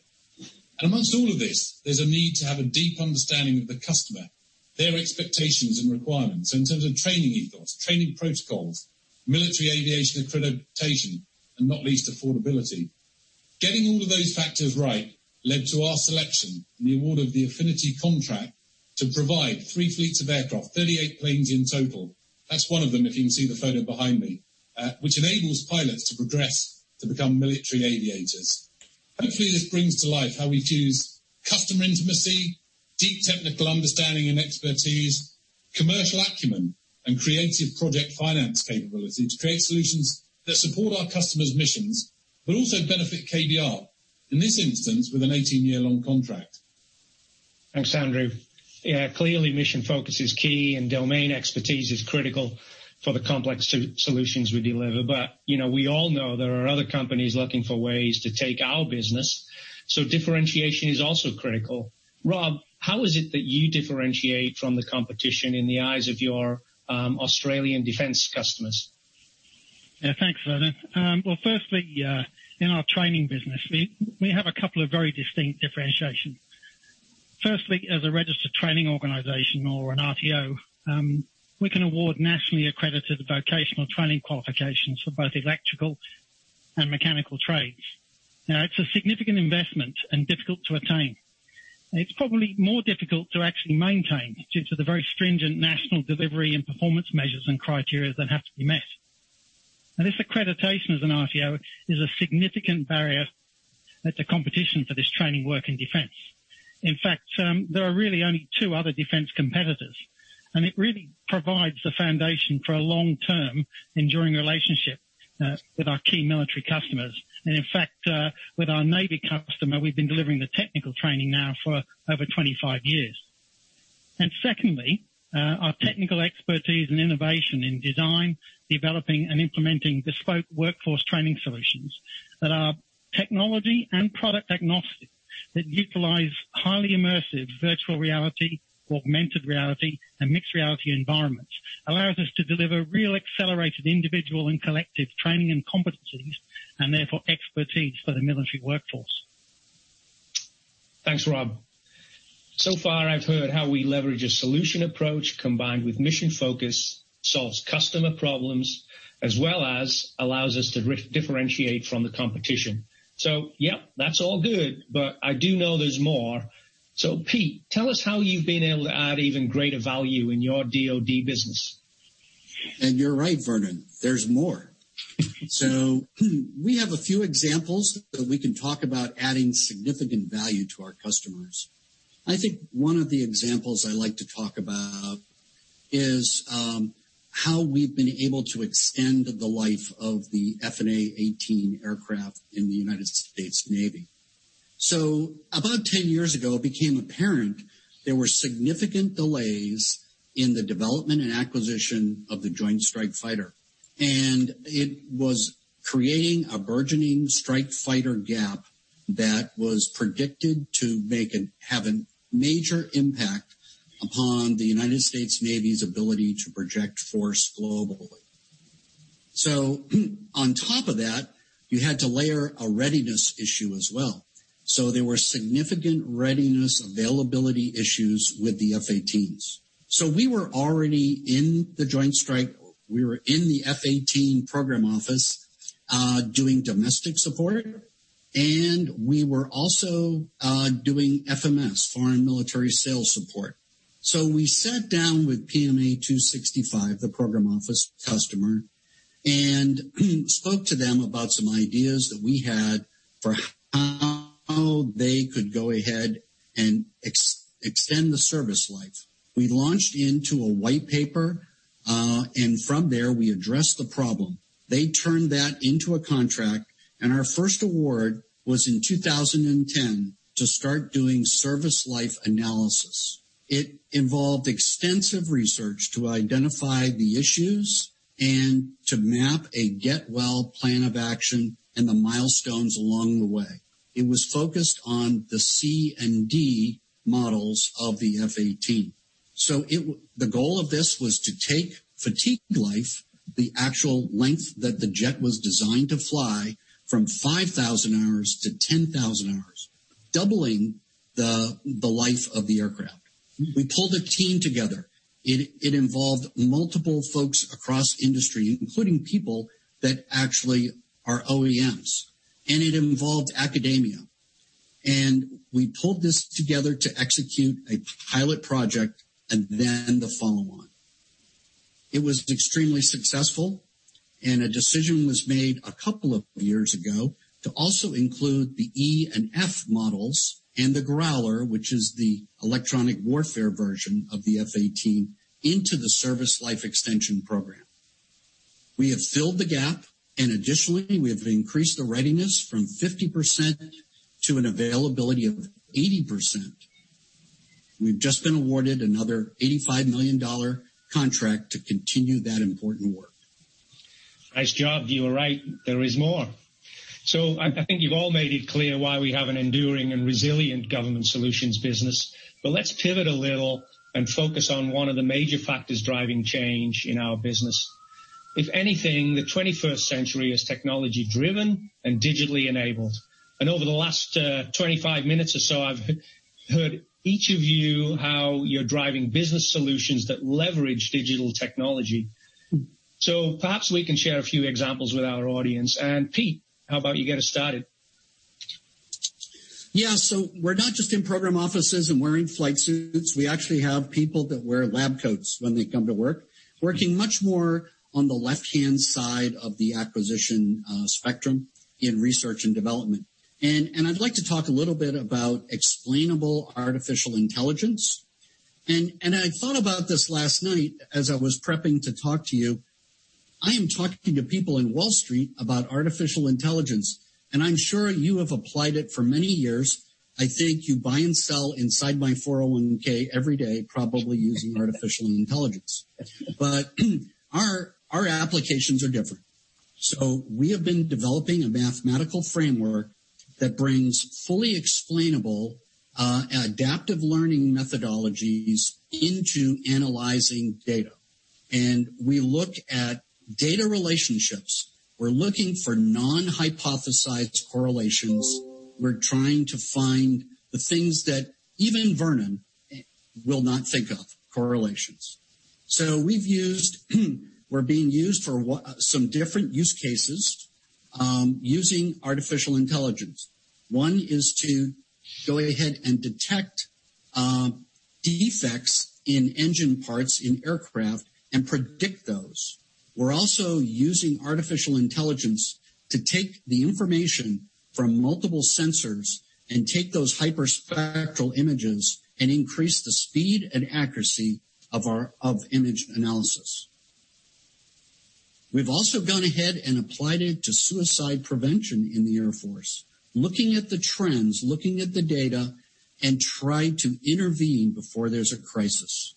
Amongst all of this, there's a need to have a deep understanding of the customer, their expectations and requirements in terms of training ethos, training protocols, military aviation accreditation, and not least affordability. Getting all of those factors right led to our selection and the award of the Affinity contract to provide three fleets of aircraft, 38 planes in total. That's one of them, if you can see the photo behind me, which enables pilots to progress to become military aviators. Hopefully, this brings to life how we fuse customer intimacy, deep technical understanding and expertise, commercial acumen, and creative project finance capability to create solutions that support our customers' missions, but also benefit KBR, in this instance, with an 18-year-long contract. Thanks, Andrew. Clearly mission focus is key and domain expertise is critical for the complex solutions we deliver. We all know there are other companies looking for ways to take our business, differentiation is also critical. Rob, how is it that you differentiate from the competition in the eyes of your Australian Defence customers? Yeah, thanks, Vernon. Well, firstly, in our training business, we have a couple of very distinct differentiations. Firstly, as a registered training organization or an RTO, we can award nationally accredited vocational training qualifications for both electrical and mechanical trades. It's a significant investment and difficult to attain. It's probably more difficult to actually maintain due to the very stringent national delivery and performance measures and criteria that have to be met. This accreditation as an RTO is a significant barrier that's a competition for this training work in defence. In fact, there are really only two other defence competitors, and it really provides the foundation for a long-term, enduring relationship with our key military customers. In fact, with our Navy customer, we've been delivering the technical training now for over 25 years. Secondly, our technical expertise and innovation in design, developing and implementing bespoke workforce training solutions that are technology and product agnostic, that utilize highly immersive virtual reality, augmented reality, and mixed reality environments, allows us to deliver real accelerated individual and collective training and competencies, and therefore expertise for the military workforce. Thanks, Rob. Far, I've heard how we leverage a solution approach combined with mission focus, solves customer problems, as well as allows us to differentiate from the competition. Yeah, that's all good, I do know there's more. Pete, tell us how you've been able to add even greater value in your DoD business. You're right, Vernon, there's more. We have a few examples that we can talk about adding significant value to our customers. I think one of the examples I like to talk about is how we've been able to extend the life of the F/A-18 aircraft in the United States Navy. About 10 years ago, it became apparent there were significant delays in the development and acquisition of the Joint Strike Fighter. It was creating a burgeoning strike fighter gap that was predicted to have a major impact upon the United States Navy's ability to project force globally. On top of that, you had to layer a readiness issue as well. There were significant readiness availability issues with the F-18s. We were already in the Joint Strike. We were in the F-18 program office doing domestic support, and we were also doing FMS, foreign military sales support. We sat down with PMA-265, the program office customer, and spoke to them about some ideas that we had for how they could go ahead and extend the service life. We launched into a white paper, from there, we addressed the problem. They turned that into a contract, and our first award was in 2010 to start doing service life analysis. It involved extensive research to identify the issues and to map a get well plan of action and the milestones along the way. It was focused on the C and D models of the F-18. The goal of this was to take fatigue life, the actual length that the jet was designed to fly, from 5,000 hours to 10,000 hours, doubling the life of the aircraft. We pulled a team together. It involved multiple folks across industry, including people that actually are OEMs. It involved academia. We pulled this together to execute a pilot project and then the follow-on. It was extremely successful, a decision was made a couple of years ago to also include the E and F models and the Growler, which is the electronic warfare version of the F-18, into the Service Life Extension Program. We have filled the gap, additionally, we have increased the readiness from 50% to an availability of 80%. We've just been awarded another $85 million contract to continue that important work. Nice job. You were right. There is more. I think you've all made it clear why we have an enduring and resilient Government Solutions business. Let's pivot a little and focus on one of the major factors driving change in our business. If anything, the 21st century is technology-driven and digitally enabled. Over the last 25 minutes or so, I've heard each of you how you're driving business solutions that leverage digital technology. Perhaps we can share a few examples with our audience. Pete, how about you get us started? Yeah. We're not just in program offices and wearing flight suits. We actually have people that wear lab coats when they come to work, working much more on the left-hand side of the acquisition spectrum in research and development. I'd like to talk a little bit about explainable artificial intelligence. I thought about this last night as I was prepping to talk to you. I am talking to people in Wall Street about artificial intelligence, and I'm sure you have applied it for many years. I think you buy and sell inside my 401 every day, probably using artificial intelligence. Our applications are different. We have been developing a mathematical framework that brings fully explainable, adaptive learning methodologies into analyzing data. We look at data relationships. We're looking for non-hypothesized correlations. We're trying to find the things that even Vernon will not think of, correlations. We're being used for some different use cases, using artificial intelligence. One is to go ahead and detect defects in engine parts in aircraft and predict those. We're also using artificial intelligence to take the information from multiple sensors and take those hyperspectral images and increase the speed and accuracy of image analysis. We've also gone ahead and applied it to suicide prevention in the Air Force, looking at the trends, looking at the data, and try to intervene before there's a crisis.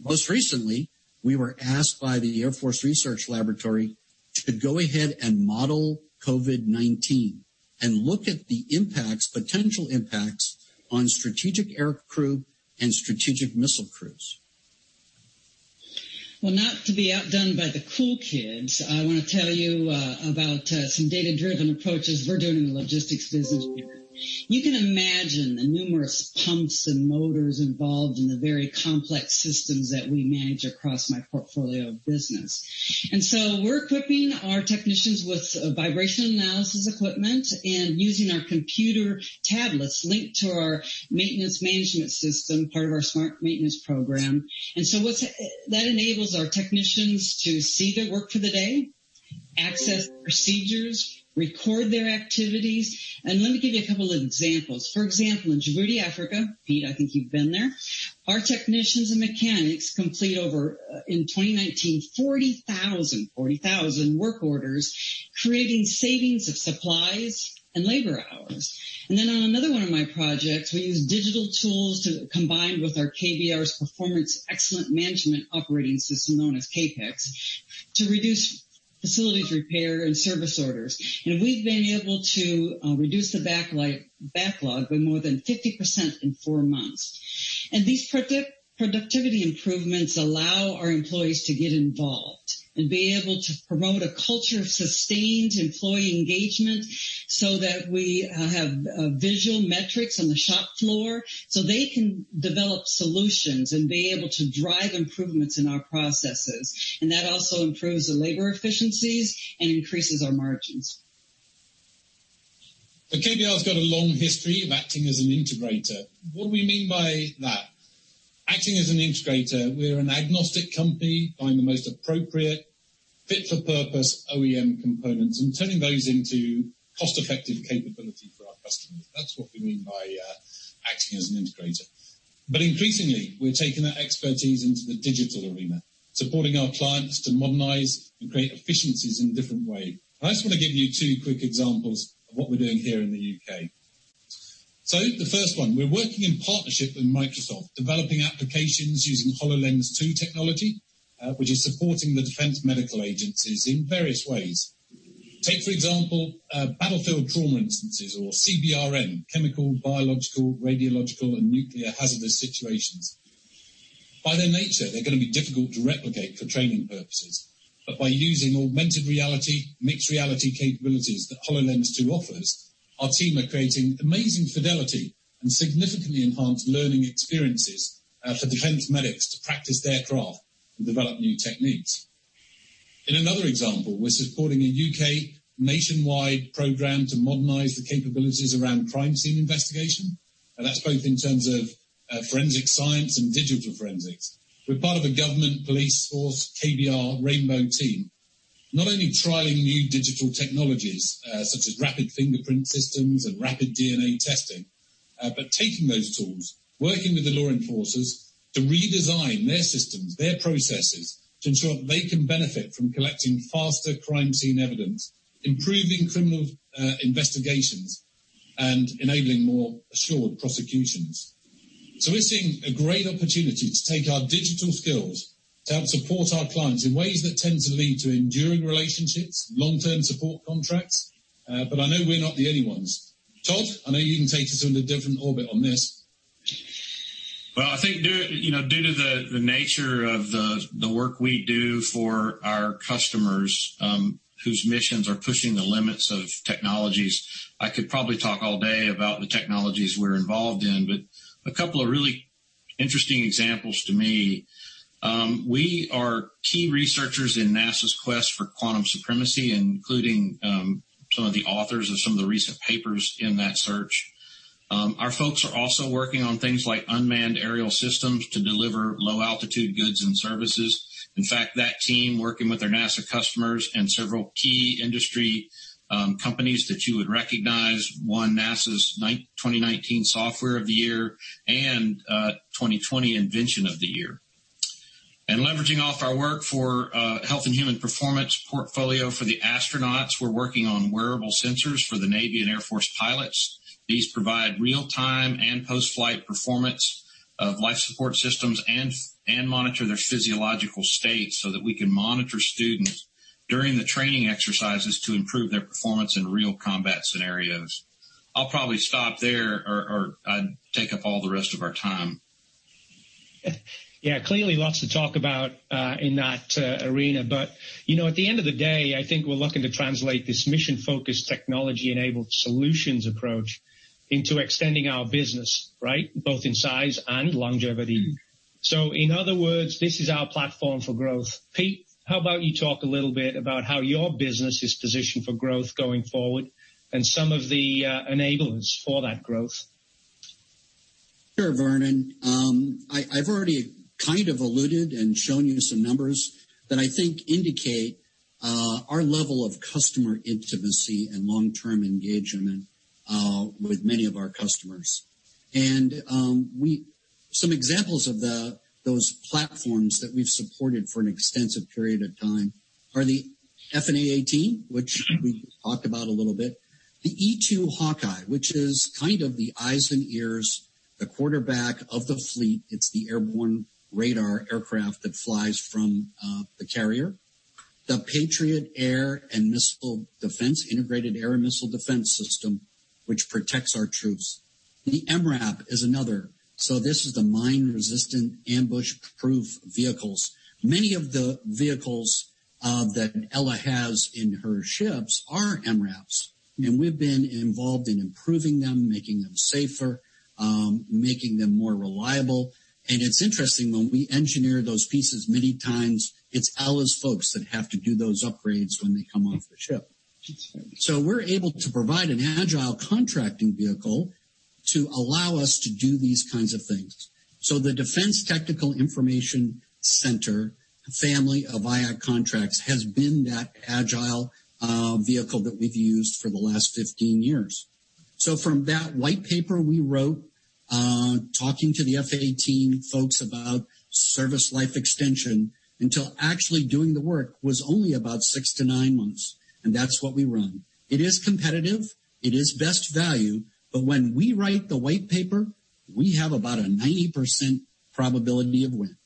Most recently, we were asked by the Air Force Research Laboratory to go ahead and model COVID-19 and look at the potential impacts on strategic aircrew and strategic missile crews. Not to be outdone by the cool kids, I want to tell you about some data-driven approaches we're doing in the logistics business here. You can imagine the numerous pumps and motors involved in the very complex systems that we manage across my portfolio of business. We're equipping our technicians with vibration analysis equipment and using our computer tablets linked to our maintenance management system, part of our smart maintenance program. That enables our technicians to see their work for the day, access procedures, record their activities. Let me give you a couple of examples. For example, in Djibouti, Africa, Pete, I think you've been there, our technicians and mechanics complete over, in 2019, 40,000 work orders, creating savings of supplies and labor hours. On another one of my projects, we use digital tools combined with our KBR's Performance Excellence Management operating system, known as KPEX, to reduce facilities repair and service orders. We've been able to reduce the backlog by more than 50% in four months. These productivity improvements allow our employees to get involved and be able to promote a culture of sustained employee engagement so that we have visual metrics on the shop floor so they can develop solutions and be able to drive improvements in our processes. That also improves the labor efficiencies and increases our margins. KBR's got a long history of acting as an integrator. What do we mean by that? Acting as an integrator, we're an agnostic company buying the most appropriate fit-for-purpose OEM components and turning those into cost-effective capability for our customers. That's what we mean by acting as an integrator. Increasingly, we're taking that expertise into the digital arena, supporting our clients to modernize and create efficiencies in different ways. I just want to give you 2 quick examples of what we're doing here in the U.K. The first one, we're working in partnership with Microsoft, developing applications using HoloLens 2 technology, which is supporting the defense medical agencies in various ways. Take, for example, battlefield trauma instances or CBRN, chemical, biological, radiological, and nuclear hazardous situations. By their nature, they're going to be difficult to replicate for training purposes. By using augmented reality, mixed reality capabilities that HoloLens 2 offers, our team are creating amazing fidelity and significantly enhanced learning experiences for defense medics to practice their craft and develop new techniques. In another example, we're supporting a U.K. nationwide program to modernize the capabilities around crime scene investigation, and that's both in terms of forensic science and digital forensics. We're part of a government police force, KBR Rainbow team, not only trialing new digital technologies, such as rapid fingerprint systems and rapid DNA testing. Taking those tools, working with the law enforcers to redesign their systems, their processes to ensure that they can benefit from collecting faster crime scene evidence, improving criminal investigations, and enabling more assured prosecutions. We're seeing a great opportunity to take our digital skills to help support our clients in ways that tend to lead to enduring relationships, long-term support contracts. I know we're not the only ones. Todd, I know you can take us into a different orbit on this. Well, I think due to the nature of the work we do for our customers, whose missions are pushing the limits of technologies, I could probably talk all day about the technologies we're involved in. A couple of really interesting examples to me, we are key researchers in NASA's quest for quantum supremacy, including some of the authors of some of the recent papers in that search. Our folks are also working on things like unmanned aerial systems to deliver low-altitude goods and services. In fact, that team, working with their NASA customers and several key industry companies that you would recognize, won NASA's 2019 Software of the Year and 2020 Invention of the Year. Leveraging off our work for Health & Human Performance portfolio for the astronauts, we're working on wearable sensors for the Navy and Air Force pilots. These provide real-time and post-flight performance of life support systems and monitor their physiological state so that we can monitor students during the training exercises to improve their performance in real combat scenarios. I'll probably stop there or I'd take up all the rest of our time. Yeah, clearly lots to talk about in that arena. At the end of the day, I think we're looking to translate this mission-focused technology-enabled solutions approach into extending our business, right? Both in size and longevity. In other words, this is our platform for growth. Pete, how about you talk a little bit about how your business is positioned for growth going forward and some of the enablers for that growth? Sure, Vernon. I've already kind of alluded and shown you some numbers that I think indicate our level of customer intimacy and long-term engagement with many of our customers. Some examples of those platforms that we've supported for an extensive period of time are the F/A-18, which we talked about a little bit, the E-2 Hawkeye, which is kind of the eyes and ears, the quarterback of the fleet. It's the airborne radar aircraft that flies from the carrier. The Patriot Air and Missile Defense integrated air missile defense system, which protects our troops. The MRAP is another. This is the Mine-Resistant Ambush Protected vehicles. Many of the vehicles that Ella has in her ships are MRAPs, and we've been involved in improving them, making them safer, making them more reliable. It's interesting, when we engineer those pieces, many times it's Ella's folks that have to do those upgrades when they come off the ship. We're able to provide an agile contracting vehicle to allow us to do these kinds of things. The Defense Technical Information Center family of IAC contracts has been that agile vehicle that we've used for the last 15 years. From that white paper we wrote, talking to the F/A-18 folks about Service Life Extension until actually doing the work was only about six to nine months, and that's what we run. It is competitive, it is best value, when we write the white paper, we have about a 90% probability of win.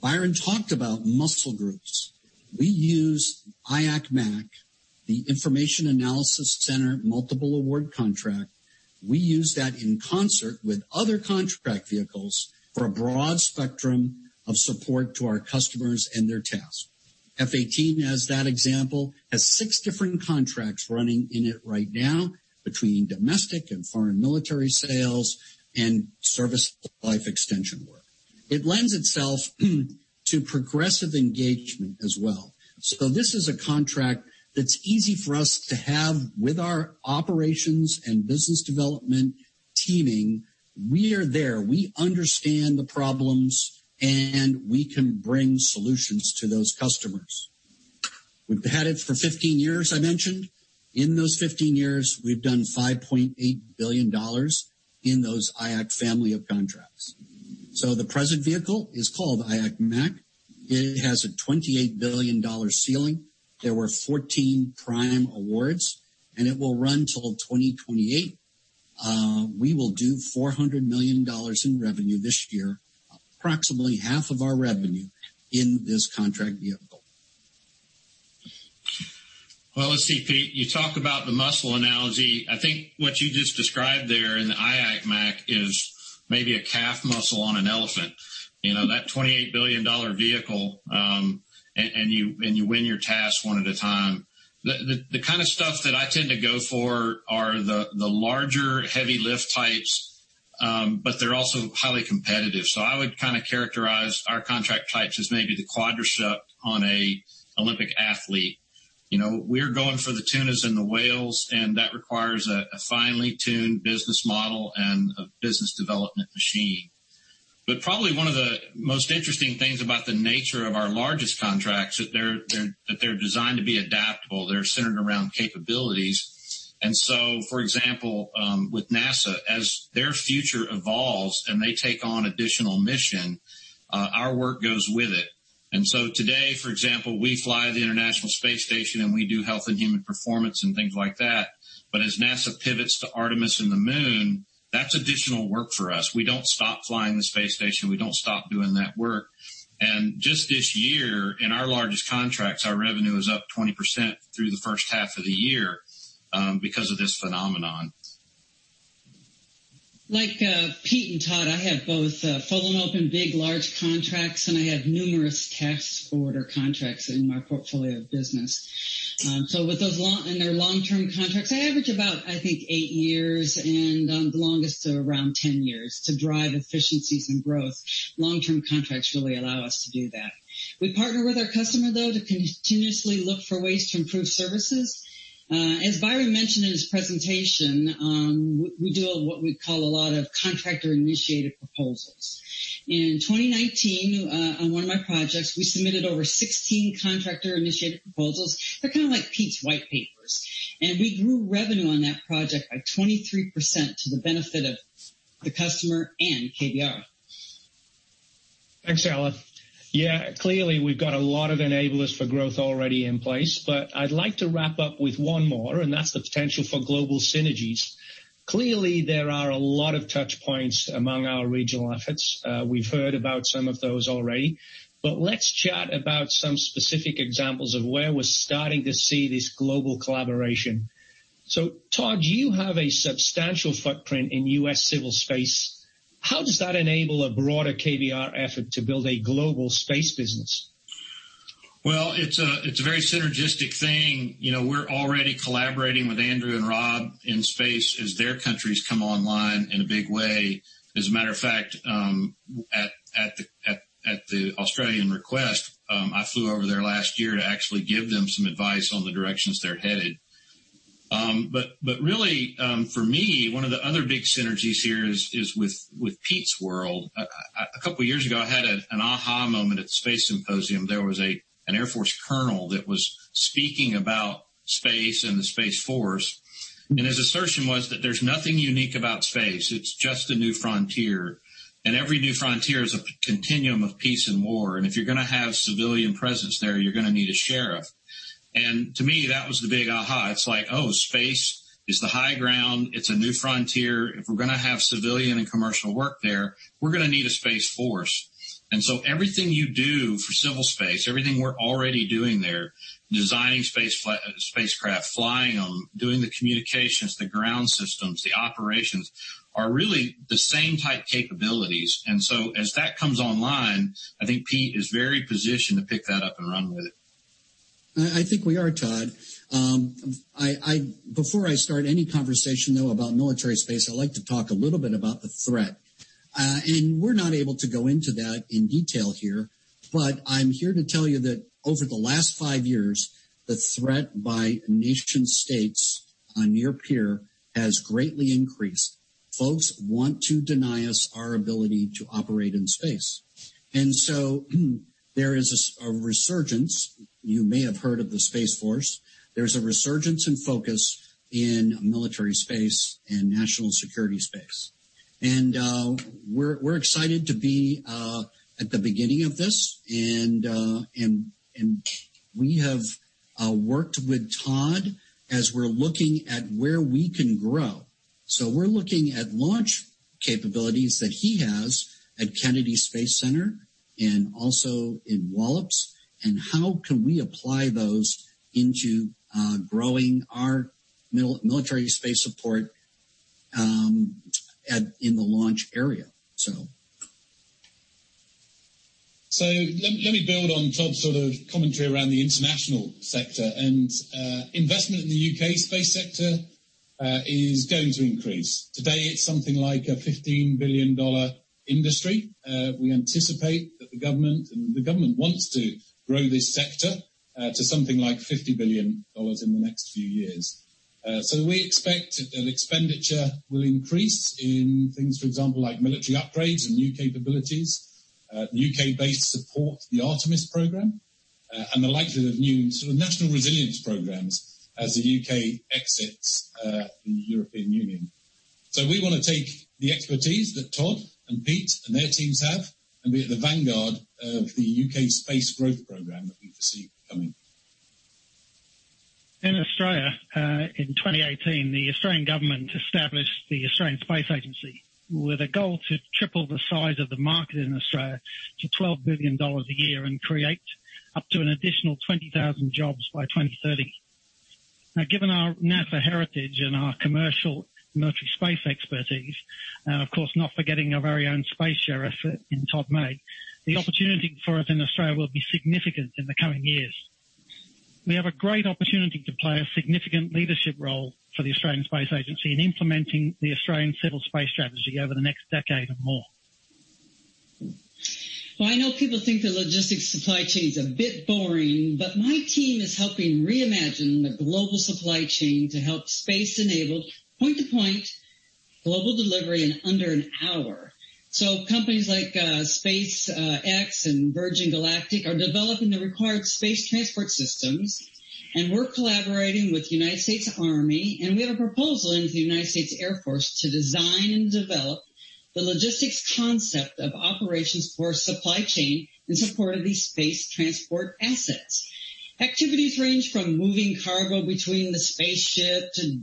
Byron talked about muscle groups. We use IAC/MAC, the Information Analysis Center Multiple Award Contract. We use that in concert with other contract vehicles for a broad spectrum of support to our customers and their task. F/A-18, as that example, has six different contracts running in it right now between domestic and foreign military sales and service life extension work. It lends itself to progressive engagement as well. This is a contract that's easy for us to have with our operations and business development teaming. We are there. We understand the problems, and we can bring solutions to those customers. We've had it for 15 years, I mentioned. In those 15 years, we've done $5.8 billion in those IAC family of contracts. The present vehicle is called IAC/MAC. It has a $28 billion ceiling. There were 14 prime awards, and it will run till 2028. We will do $400 million in revenue this year, approximately half of our revenue in this contract vehicle. Well, let's see, Pete, you talk about the muscle analogy. I think what you just described there in the IAC/MAC is maybe a calf muscle on an elephant. That $28 billion vehicle, and you win your tasks one at a time. The kind of stuff that I tend to go for are the larger heavy lift types, but they're also highly competitive. I would kind of characterize our contract types as maybe the quadricep on an Olympic athlete. We're going for the tunas and the whales, and that requires a finely tuned business model and a business development machine. But probably one of the most interesting things about the nature of our largest contracts is that they're designed to be adaptable. They're centered around capabilities. For example, with NASA, as their future evolves and they take on additional mission, our work goes with it. Today, for example, we fly the International Space Station, and we do health and human performance and things like that. But as NASA pivots to Artemis and the Moon, that's additional work for us. We don't stop flying the International Space Station. We don't stop doing that work. Just this year, in our largest contracts, our revenue is up 20% through the first half of the year because of this phenomenon. Like Pete and Todd, I have both full and open big, large contracts, and I have numerous task order contracts in my portfolio of business. They're long-term contracts. I average about, I think, eight years and the longest around 10 years to drive efficiencies and growth. Long-term contracts really allow us to do that. We partner with our customer, though, to continuously look for ways to improve services. As Byron mentioned in his presentation, we do what we call a lot of contractor-initiated proposals. In 2019, on one of my projects, we submitted over 16 contractor-initiated proposals. They're kind of like Pete's white papers, and we grew revenue on that project by 23% to the benefit of the customer and KBR. Thanks, Ella. Clearly, we've got a lot of enablers for growth already in place, I'd like to wrap up with one more, and that's the potential for global synergies. Clearly, there are a lot of touch points among our regional efforts. We've heard about some of those already. Let's chat about some specific examples of where we're starting to see this global collaboration. Todd, you have a substantial footprint in U.S. civil space. How does that enable a broader KBR effort to build a global space business? It's a very synergistic thing. We're already collaborating with Andrew and Rob in space as their countries come online in a big way. As a matter of fact, at the Australian request, I flew over there last year to actually give them some advice on the directions they're headed. Really, for me, one of the other big synergies here is with Pete's world. A couple of years ago, I had an aha moment at the Space Symposium. There was an Air Force colonel that was speaking about space and the Space Force, his assertion was that there's nothing unique about space. It's just a new frontier, every new frontier is a continuum of peace and war, if you're going to have civilian presence there, you're going to need a sheriff. To me, that was the big aha. Space is the high ground. It's a new frontier. If we're going to have civilian and commercial work there, we're going to need a Space Force. Everything you do for civil space, everything we're already doing there, designing spacecraft, flying them, doing the communications, the ground systems, the operations, are really the same type capabilities. As that comes online, I think Pete is very positioned to pick that up and run with it. I think we are, Todd. Before I start any conversation, though, about military space, I'd like to talk a little bit about the threat. We're not able to go into that in detail here, I'm here to tell you that over the last 5 years, the threat by nation states on near peer has greatly increased. Folks want to deny us our ability to operate in space. There is a resurgence. You may have heard of the Space Force. There's a resurgence in focus in military space and national security space. We're excited to be at the beginning of this, we have worked with Todd as we're looking at where we can grow. We're looking at launch capabilities that he has at Kennedy Space Center and also in Wallops, and how can we apply those into growing our military space support in the launch area. Let me build on Todd's sort of commentary around the international sector. Investment in the U.K. space sector is going to increase. Today, it's something like a $15 billion industry. We anticipate that the government wants to grow this sector to something like $50 billion in the next few years. We expect that expenditure will increase in things, for example, like military upgrades and new capabilities, U.K.-based support, the Artemis program, and the likelihood of new sort of national resilience programs as the U.K. exits the European Union. We want to take the expertise that Todd and Pete and their teams have and be at the vanguard of the U.K. space growth program that we foresee coming. In Australia, in 2018, the Australian government established the Australian Space Agency with a goal to triple the size of the market in Australia to 12 billion dollars a year and create up to an additional 20,000 jobs by 2030. Given our NASA heritage and our commercial military space expertise, of course, not forgetting our very own space sheriff in Todd May, the opportunity for us in Australia will be significant in the coming years. We have a great opportunity to play a significant leadership role for the Australian Space Agency in implementing the Australian civil space strategy over the next decade or more. I know people think the logistics supply chain is a bit boring, but my team is helping reimagine the global supply chain to help space-enabled point-to-point global delivery in under an hour. Companies like SpaceX and Virgin Galactic are developing the required space transport systems. We're collaborating with United States Army, and we have a proposal in with the United States Air Force to design and develop the logistics concept of operations for supply chain in support of these space transport assets. Activities range from moving cargo between the spaceship to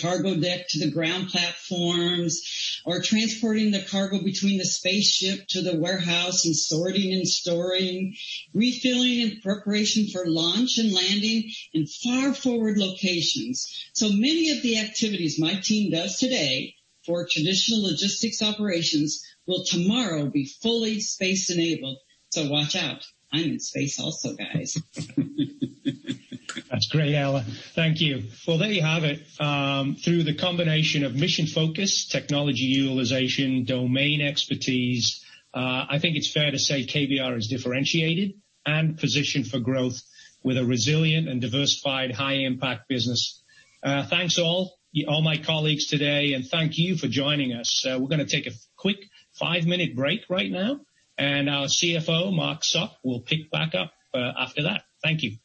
cargo deck to the ground platforms, or transporting the cargo between the spaceship to the warehouse and sorting and storing, refilling in preparation for launch and landing in far forward locations. Many of the activities my team does today for traditional logistics operations will tomorrow be fully space-enabled. Watch out. I'm in space also, guys. That's great, Ella. Thank you. Well, there you have it. Through the combination of mission focus, technology utilization, domain expertise, I think it's fair to say KBR is differentiated and positioned for growth with a resilient and diversified high-impact business. Thanks to all my colleagues today, and thank you for joining us. We're going to take a quick five-minute break right now, and our CFO, Mark Sopp, will pick back up after that. Thank you.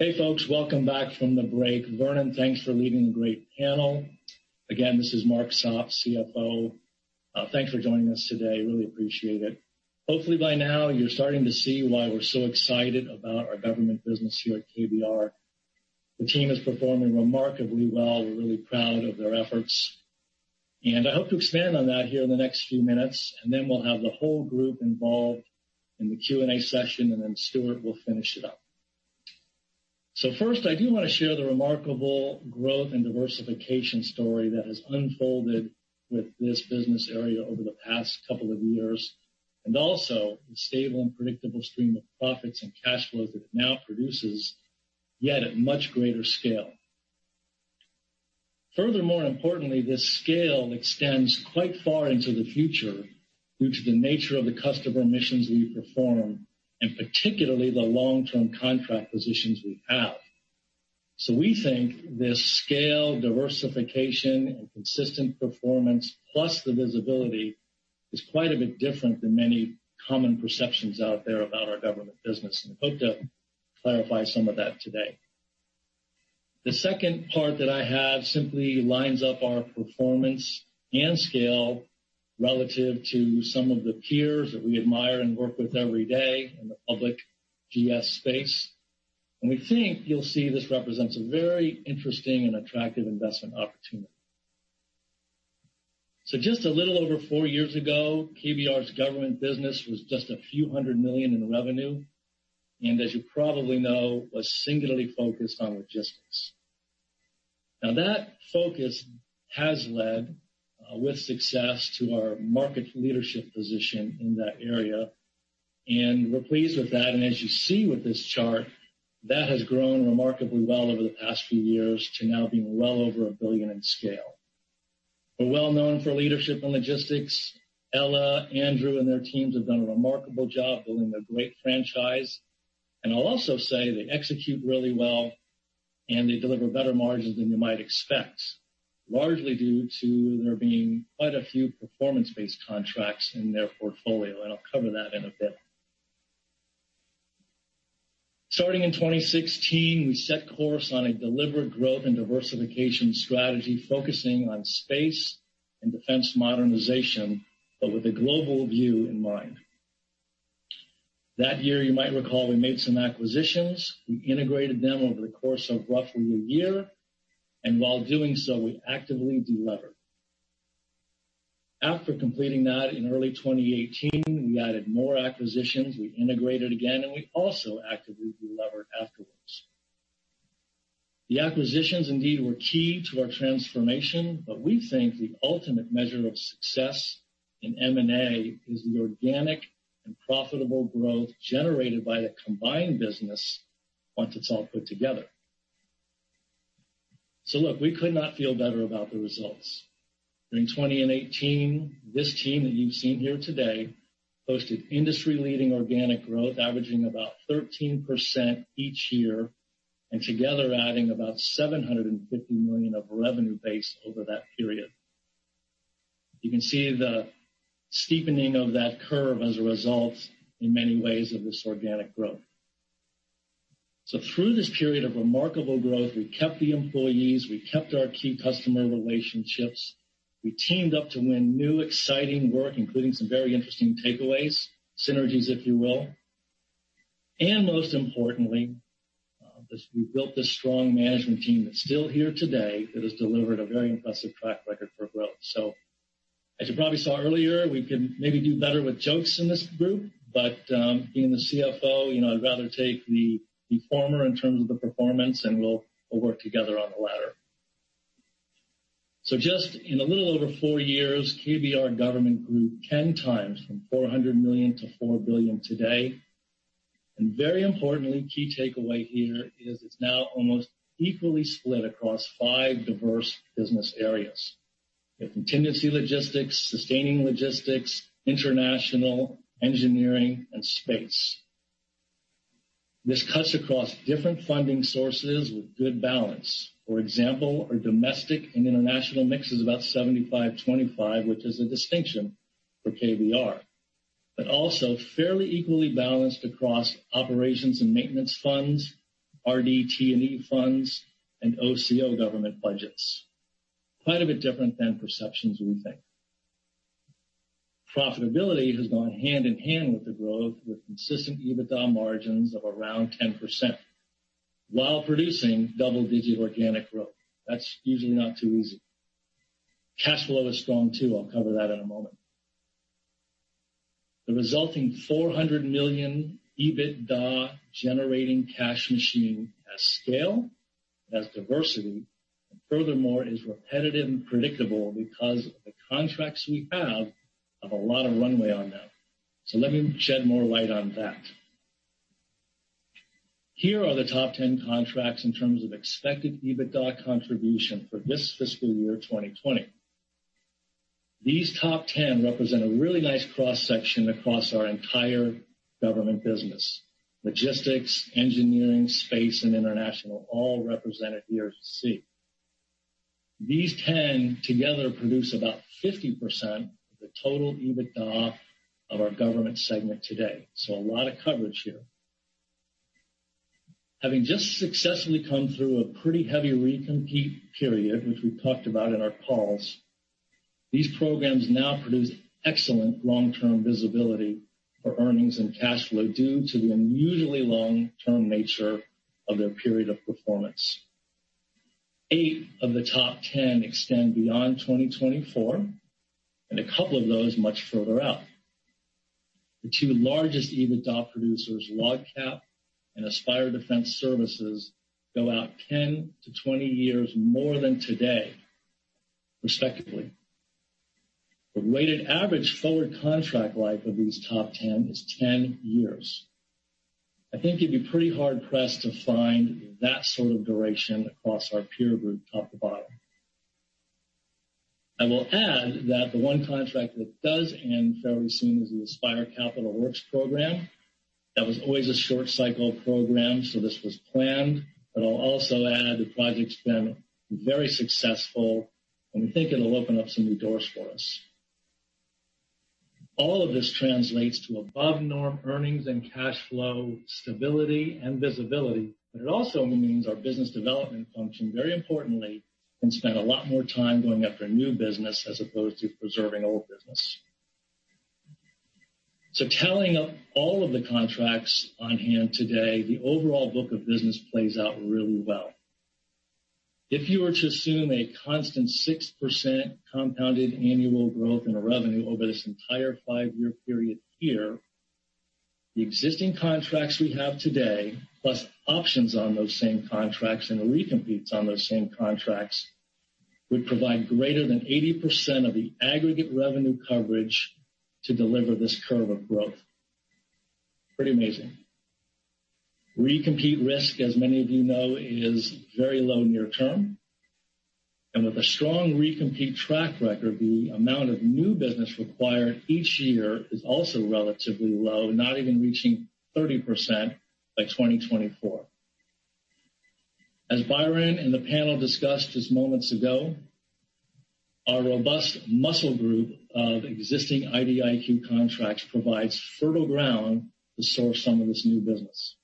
Hey, folks, welcome back from the break. Vernon, thanks for leading a great panel. Again, this is Mark Sopp, CFO. Thanks for joining us today. Really appreciate it. Hopefully by now you're starting to see why we're so excited about our government business here at KBR. The team is performing remarkably well. We're really proud of their efforts, and I hope to expand on that here in the next few minutes, and then we'll have the whole group involved in the Q&A session, and then Stuart will finish it up. First, I do want to share the remarkable growth and diversification story that has unfolded with this business area over the past couple of years, and also the stable and predictable stream of profits and cash flow that it now produces, yet at much greater scale. Furthermore, importantly, this scale extends quite far into the future due to the nature of the customer missions we perform and particularly the long-term contract positions we have. We think this scale, diversification, and consistent performance, plus the visibility, is quite a bit different than many common perceptions out there about our government business and hope to clarify some of that today. The second part that I have simply lines up our performance and scale relative to some of the peers that we admire and work with every day in the public GS space. We think you'll see this represents a very interesting and attractive investment opportunity. Just a little over four years ago, KBR's government business was just a few hundred million in revenue, and as you probably know, was singularly focused on logistics. That focus has led with success to our market leadership position in that area. We're pleased with that. As you see with this chart, that has grown remarkably well over the past few years to now being well over $1 billion in scale. We're well known for leadership in logistics. Ella, Andrew, and their teams have done a remarkable job building a great franchise. I'll also say they execute really well. They deliver better margins than you might expect, largely due to there being quite a few performance-based contracts in their portfolio. I'll cover that in a bit. Starting in 2016, we set course on a deliberate growth and diversification strategy, focusing on space and defense modernization, but with a global view in mind. That year, you might recall, we made some acquisitions. We integrated them over the course of roughly a year. While doing so, we actively de-levered. After completing that in early 2018, we added more acquisitions. We integrated again. We also actively de-levered afterwards. The acquisitions indeed were key to our transformation. We think the ultimate measure of success in M&A is the organic and profitable growth generated by the combined business once it's all put together. Look, we could not feel better about the results. During 2018, this team that you've seen here today posted industry-leading organic growth, averaging about 13% each year, and together adding about $750 million of revenue base over that period. You can see the steepening of that curve as a result, in many ways, of this organic growth. Through this period of remarkable growth, we kept the employees. We kept our key customer relationships. We teamed up to win new, exciting work, including some very interesting takeaways, synergies, if you will. Most importantly, we built this strong management team that's still here today that has delivered a very impressive track record for growth. As you probably saw earlier, we can maybe do better with jokes in this group. Being the CFO, I'd rather take the former in terms of the performance. We'll work together on the latter. Just in a little over four years, KBR Government grew 10 times from $400 million to $4 billion today. Very importantly, key takeaway here is it's now almost equally split across five diverse business areas. We have contingency logistics, sustaining logistics, international, engineering, and space. This cuts across different funding sources with good balance. For example, our domestic and international mix is about 75/25, which is a distinction for KBR. Also fairly equally balanced across operations and maintenance funds, RDT&E funds, and OCO government budgets. Quite a bit different than perceptions we think. Profitability has gone hand in hand with the growth with consistent EBITDA margins of around 10% while producing double-digit organic growth. That's usually not too easy. Cash flow is strong too. I'll cover that in a moment. The resulting $400 million EBITDA generating cash machine has scale, has diversity. Furthermore, is repetitive and predictable because of the contracts we have a lot of runway on them. Let me shed more light on that. Here are the top 10 contracts in terms of expected EBITDA contribution for this FY 2020. These top 10 represent a really nice cross-section across our entire government business. Logistics, engineering, space, and international, all represented here for you to see. These 10 together produce about 50% of the total EBITDA of our government segment today. A lot of coverage here. Having just successfully come through a pretty heavy recompete period, which we talked about in our calls, these programs now produce excellent long-term visibility for earnings and cash flow due to the unusually long-term nature of their period of performance. Eight of the top 10 extend beyond 2024, and a couple of those much further out. The two largest EBITDA producers, LOGCAP and Aspire Defence Services, go out 10-20 years more than today, respectively. The weighted average forward contract life of these top 10 is 10 years. I think you'd be pretty hard pressed to find that sort of duration across our peer group top to bottom. I will add that the one contract that does end fairly soon is the Aspire Defence Capital Works program. That was always a short cycle program, this was planned, but I'll also add the project's been very successful, and we think it'll open up some new doors for us. All of this translates to above norm earnings and cash flow stability and visibility, it also means our business development function, very importantly, can spend a lot more time going after new business as opposed to preserving old business. Tallying up all of the contracts on hand today, the overall book of business plays out really well. If you were to assume a constant 6% compounded annual growth in the revenue over this entire 5-year period here, the existing contracts we have today, plus options on those same contracts and the recompetes on those same contracts, would provide greater than 80% of the aggregate revenue coverage to deliver this curve of growth. Pretty amazing. Recompete risk, as many of you know, is very low near term. With a strong recompete track record, the amount of new business required each year is also relatively low, not even reaching 30% by 2024. As Byron and the panel discussed just moments ago, our robust muscle group of existing IDIQ contracts provides fertile ground to source some of this new business.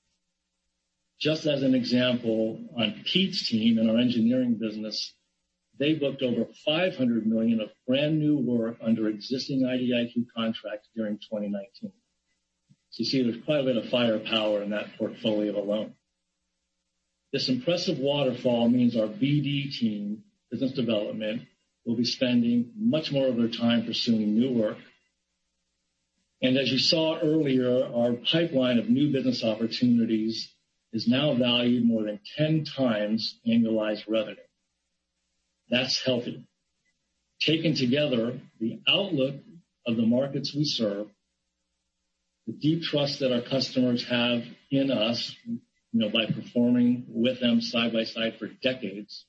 Just as an example, on Pete's team in our engineering business, they booked over $500 million of brand-new work under existing IDIQ contracts during 2019. You see there's quite a bit of firepower in that portfolio alone. This impressive waterfall means our BD team, business development, will be spending much more of their time pursuing new work. As you saw earlier, our pipeline of new business opportunities is now valued more than 10 times annualized revenue. That's healthy. Taken together, the outlook of the markets we serve, the deep trust that our customers have in us, by performing with them side by side for decades,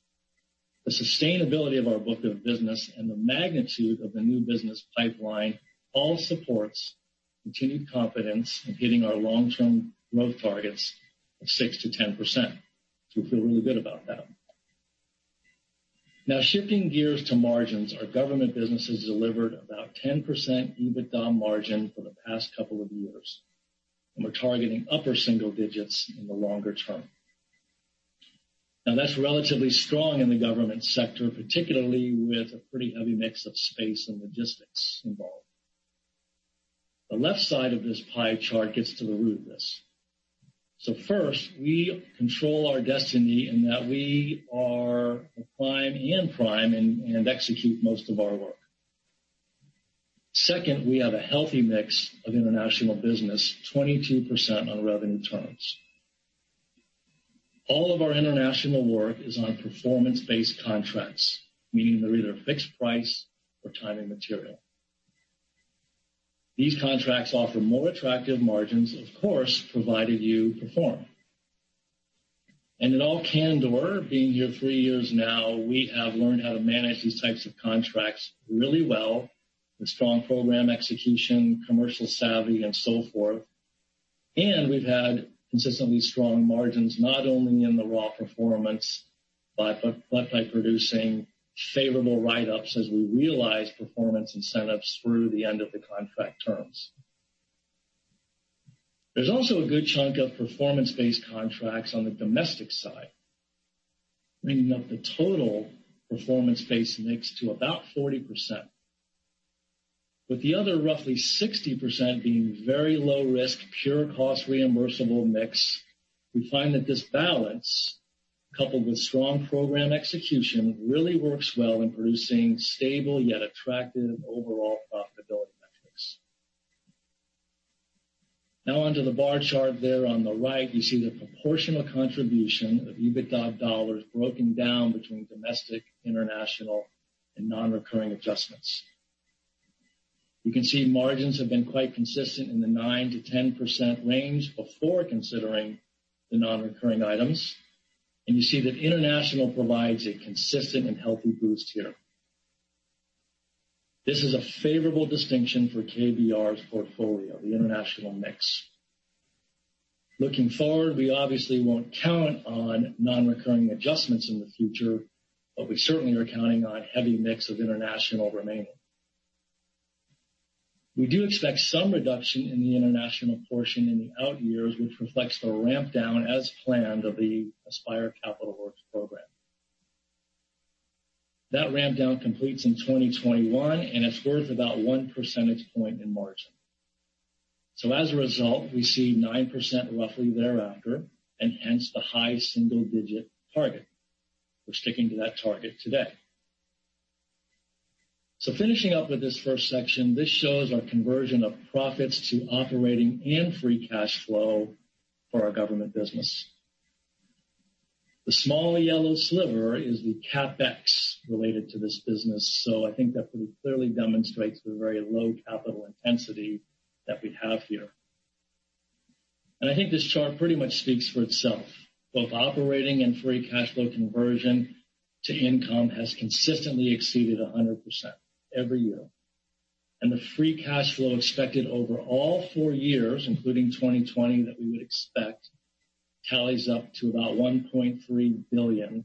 the sustainability of our book of business, and the magnitude of the new business pipeline, all supports continued confidence in hitting our long-term growth targets of 6%-10%. We feel really good about that. Shifting gears to margins, our government business has delivered about 10% EBITDA margin for the past couple of years, and we're targeting upper single digits in the longer term. That's relatively strong in the government sector, particularly with a pretty heavy mix of space and logistics involved. The left side of this pie chart gets to the root of this. First, we control our destiny in that we are prime and execute most of our work. Second, we have a healthy mix of international business, 22% on a revenue terms. All of our international work is on performance-based contracts, meaning they're either fixed price or time and material. These contracts offer more attractive margins, of course, provided you perform. In all candor, being here three years now, we have learned how to manage these types of contracts really well with strong program execution, commercial savvy, and so forth. We've had consistently strong margins, not only in the raw performance, but by producing favorable write-ups as we realize performance incentives through the end of the contract terms. There's also a good chunk of performance-based contracts on the domestic side, bringing up the total performance-based mix to about 40%. With the other roughly 60% being very low risk, pure cost reimbursable mix, we find that this balance, coupled with strong program execution, really works well in producing stable yet attractive overall profitability metrics. Onto the bar chart there on the right, you see the proportional contribution of EBITDA dollars broken down between domestic, international, and non-recurring adjustments. You can see margins have been quite consistent in the 9%-10% range before considering the non-recurring items, you see that international provides a consistent and healthy boost here. This is a favorable distinction for KBR's portfolio, the international mix. Looking forward, we obviously won't count on non-recurring adjustments in the future, but we certainly are counting on heavy mix of international remaining. We do expect some reduction in the international portion in the out years, which reflects the ramp down as planned of the Aspire Capital Works program. That ramp down completes in 2021, it's worth about one percentage point in margin. As a result, we see 9% roughly thereafter, hence the high single-digit target. We're sticking to that target today. Finishing up with this first section, this shows our conversion of profits to operating and free cash flow for our government business. The small yellow sliver is the CapEx related to this business. I think that clearly demonstrates the very low capital intensity that we have here. I think this chart pretty much speaks for itself. Both operating and free cash flow conversion to income has consistently exceeded 100% every year. The free cash flow expected over all four years, including 2020 that we would expect, tallies up to about $1.3 billion.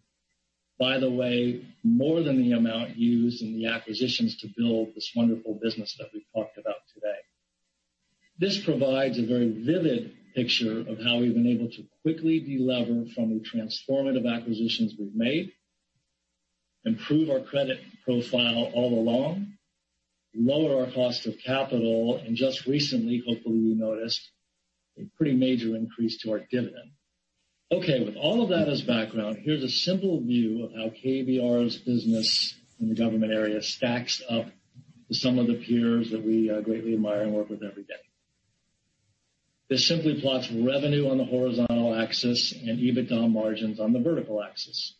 By the way, more than the amount used in the acquisitions to build this wonderful business that we've talked about today. This provides a very vivid picture of how we've been able to quickly de-lever from the transformative acquisitions we've made, improve our credit profile all along, lower our cost of capital, and just recently, hopefully you noticed, a pretty major increase to our dividend. With all of that as background, here's a simple view of how KBR's business in the government area stacks up to some of the peers that we greatly admire and work with every day. This simply plots revenue on the horizontal axis and EBITDA margins on the vertical axis.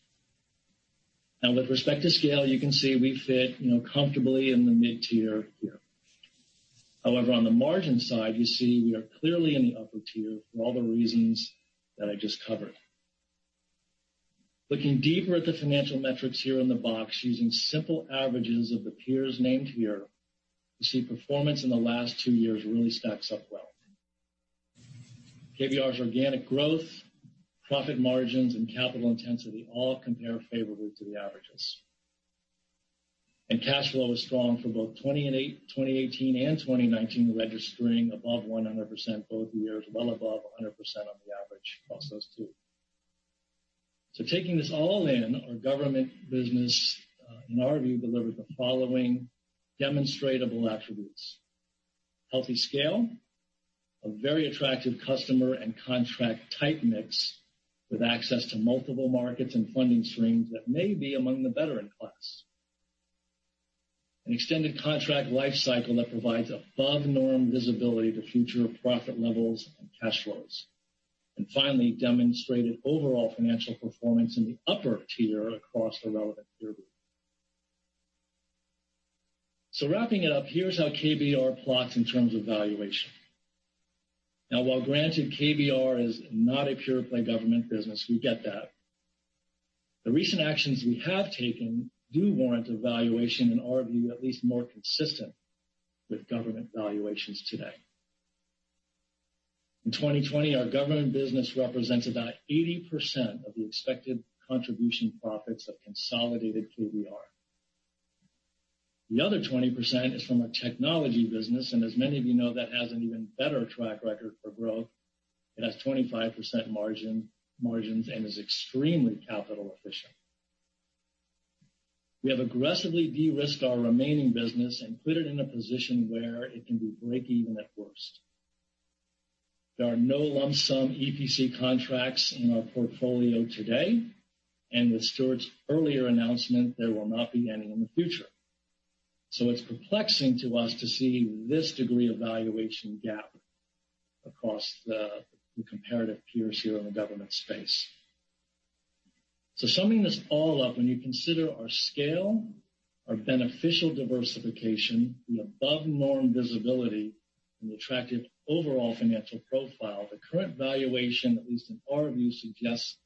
With respect to scale, you can see we fit comfortably in the mid-tier here. However, on the margin side, you see we are clearly in the upper tier for all the reasons that I just covered. Looking deeper at the financial metrics here in the box using simple averages of the peers named here, you see performance in the last two years really stacks up well. KBR's organic growth, profit margins, and capital intensity all compare favorably to the averages. Cash flow is strong for both 2018 and 2019, registering above 100% both years, well above 100% of the average across those two. Taking this all in, our government business, in our view, delivered the following demonstratable attributes. Healthy scale, a very attractive customer and contract type mix with access to multiple markets and funding streams that may be among the better in class. An extended contract life cycle that provides above norm visibility to future profit levels and cash flows. Finally, demonstrated overall financial performance in the upper tier across the relevant peer group. Wrapping it up, here's how KBR plots in terms of valuation. While granted KBR is not a pure play government business, we get that. The recent actions we have taken do warrant a valuation, in our view, at least more consistent with government valuations today. In 2020, our government business represents about 80% of the expected contribution profits of consolidated KBR. The other 20% is from a technology business, and as many of you know, that has an even better track record for growth. It has 25% margins and is extremely capital efficient. We have aggressively de-risked our remaining business and put it in a position where it can be break-even at worst. There are no lump sum EPC contracts in our portfolio today, and with Stuart's earlier announcement, there will not be any in the future. It's perplexing to us to see this degree of valuation gap across the comparative peers here in the government space. Summing this all up, when you consider our scale, our beneficial diversification, the above norm visibility, and the attractive overall financial profile, the current valuation, at least in our view, suggests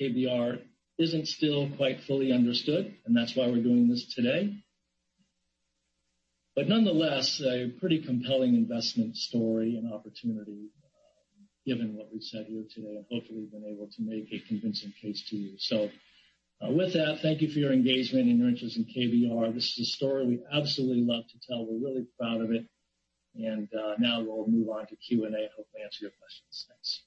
KBR isn't still quite fully understood, and that's why we're doing this today. Nonetheless, a pretty compelling investment story and opportunity given what we've said here today, and hopefully, we've been able to make a convincing case to you. With that, thank you for your engagement and your interest in KBR. This is a story we absolutely love to tell. We're really proud of it. Now we'll move on to Q&A, hopefully answer your questions. Thanks.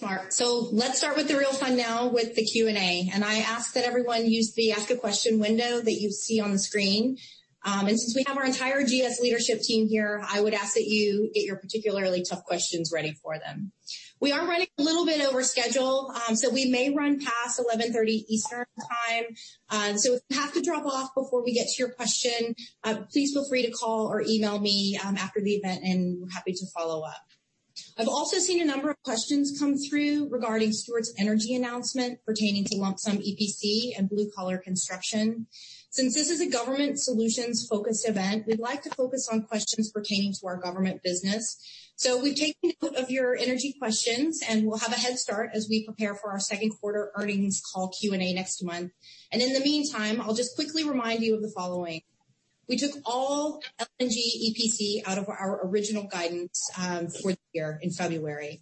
Mark. Let's start with the real fun now with the Q&A. I ask that everyone use the Ask a Question window that you see on the screen. Since we have our entire Government Solutions leadership team here, I would ask that you get your particularly tough questions ready for them. We are running a little bit over schedule, we may run past 11:30 A.M. Eastern Time. If we have to drop off before we get to your question, please feel free to call or email me after the event, and we're happy to follow up. I've also seen a number of questions come through regarding Stuart's energy announcement pertaining to lump-sum EPC and blue-collar construction. Since this is a Government Solutions-focused event, we'd like to focus on questions pertaining to our government business. We've taken note of your energy questions, and we'll have a head start as we prepare for our second quarter earnings call Q&A next month. In the meantime, I'll just quickly remind you of the following. We took all LNG EPC out of our original guidance for the year in February.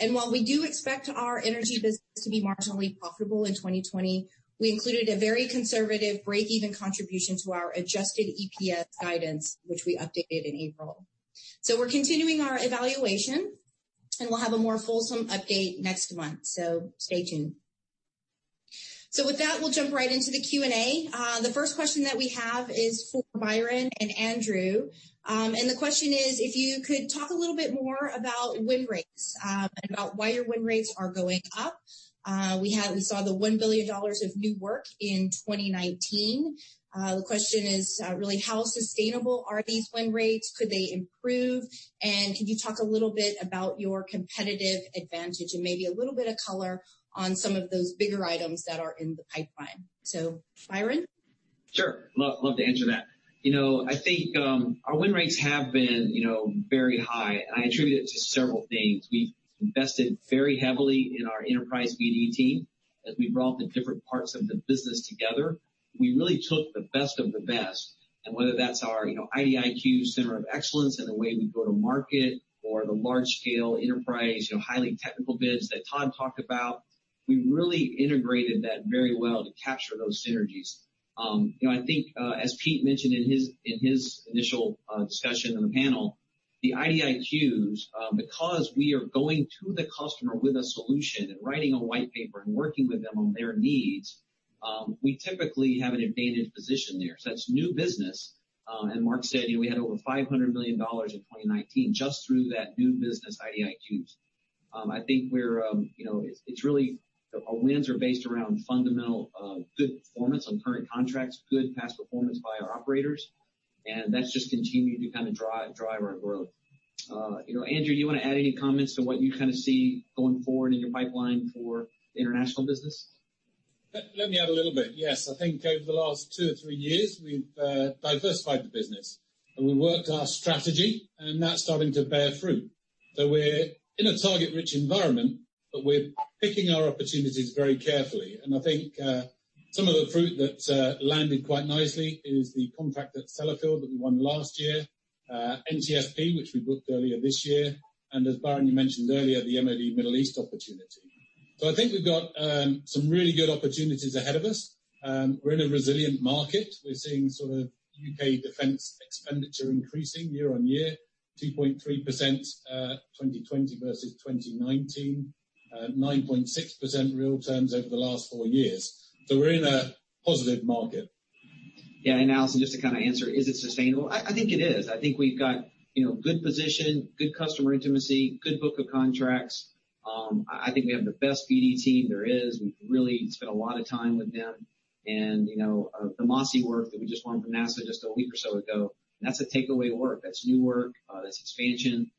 While we do expect our energy business to be marginally profitable in 2020, we included a very conservative breakeven contribution to our adjusted EPS guidance, which we updated in April. We're continuing our evaluation, and we'll have a more fulsome update next month, so stay tuned. With that, we'll jump right into the Q&A. The first question that we have is for Byron and Andrew. The question is, "If you could talk a little bit more about win rates and about why your win rates are going up." We saw the $1 billion of new work in 2019. The question is really, how sustainable are these win rates? Could they improve? Could you talk a little bit about your competitive advantage and maybe a little bit of color on some of those bigger items that are in the pipeline? Byron? Sure. Love to answer that. I think our win rates have been very high, and I attribute it to several things. We've invested very heavily in our enterprise BD team. As we brought the different parts of the business together, we really took the best of the best. Whether that's our IDIQ center of excellence and the way we go to market or the large-scale enterprise, highly technical bids that Todd talked about, we really integrated that very well to capture those synergies. I think, as Pete mentioned in his initial discussion on the panel, the IDIQs, because we are going to the customer with a solution and writing a white paper and working with them on their needs, we typically have an advantage position there. That's new business. Mark said we had over $500 million in 2019 just through that new business IDIQs. Our wins are based around fundamental good performance on current contracts, good past performance by our operators, that's just continued to kind of drive our growth. Andrew, do you want to add any comments to what you kind of see going forward in your pipeline for the international business? Let me add a little bit. Yes. I think over the last two or three years, we've diversified the business, we worked our strategy, that's starting to bear fruit. We're in a target-rich environment, but we're picking our opportunities very carefully. I think some of the fruit that landed quite nicely is the contract at Sellafield that we won last year, NTSP, which we booked earlier this year, as Byron, you mentioned earlier, the MOD Middle East opportunity. I think we've got some really good opportunities ahead of us. We're in a resilient market. We're seeing sort of U.K. defense expenditure increasing year-on-year, 2.3%, 2020 versus 2019. 9.6% real terms over the last four years. We're in a positive market. Yeah. Alison, just to kind of answer, is it sustainable? I think it is. I think we've got good position, good customer intimacy, good book of contracts. I think we have the best BD team there is. We've really spent a lot of time with them. The MOSSI work that we just won from NASA just a week or so ago, that's the takeaway work. That's new work, that's expansion,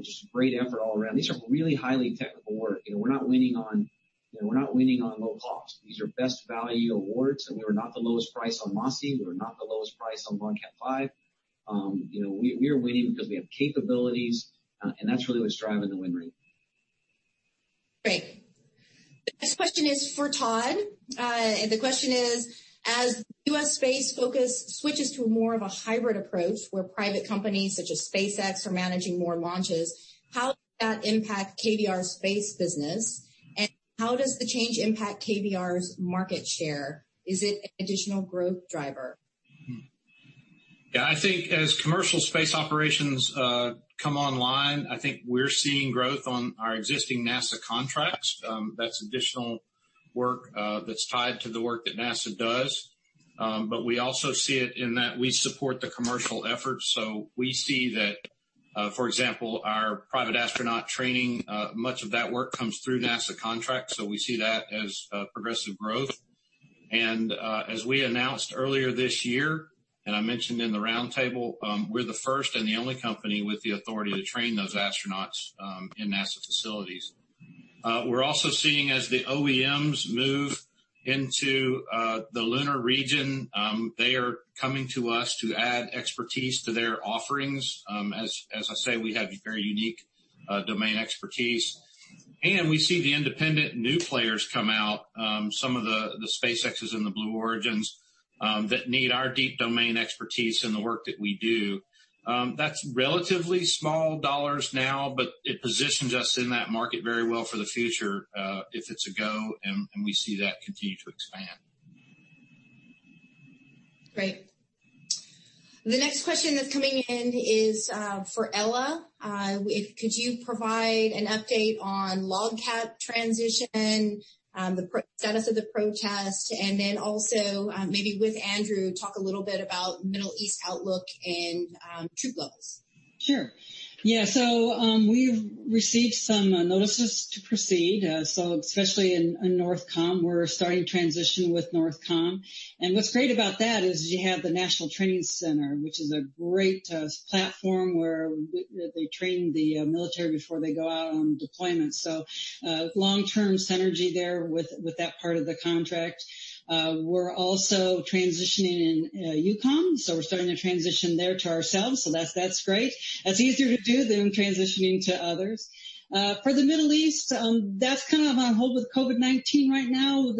just great effort all around. These are really highly technical work. We're not winning on low cost. These are best value awards, we were not the lowest price on MOSSI, we were not the lowest price on LOGCAP V. We are winning because we have capabilities, that's really what's driving the win rate. Great. The next question is for Todd. The question is, "As U.S. space focus switches to more of a hybrid approach where private companies such as SpaceX are managing more launches, how does that impact KBR's space business, and how does the change impact KBR's market share? Is it an additional growth driver? I think as commercial space operations come online, I think we're seeing growth on our existing NASA contracts. That's additional work that's tied to the work that NASA does. We also see it in that we support the commercial efforts. We see that, for example, our private astronaut training, much of that work comes through NASA contracts, so we see that as progressive growth. As we announced earlier this year, and I mentioned in the roundtable, we're the first and the only company with the authority to train those astronauts in NASA facilities. We're also seeing as the OEMs move into the lunar region, they are coming to us to add expertise to their offerings. As I say, we have very unique domain expertise. We see the independent new players come out, some of the SpaceXs and the Blue Origins that need our deep domain expertise in the work that we do. That's relatively small dollars now, it positions us in that market very well for the future, if it's a go, we see that continue to expand. Great. The next question that's coming in is for Ella. Could you provide an update on LOGCAP transition, the status of the protest, also, maybe with Andrew, talk a little bit about Middle East outlook and troop levels? Sure. We've received some notices to proceed. Especially in NORTHCOM, we're starting transition with NORTHCOM. What's great about that is you have the National Training Center, which is a great platform where they train the military before they go out on deployment. Long-term synergy there with that part of the contract. We're also transitioning in EUCOM, we're starting to transition there to ourselves, that's great. That's easier to do than transitioning to others. For the Middle East, that's kind of on hold with COVID-19 right now.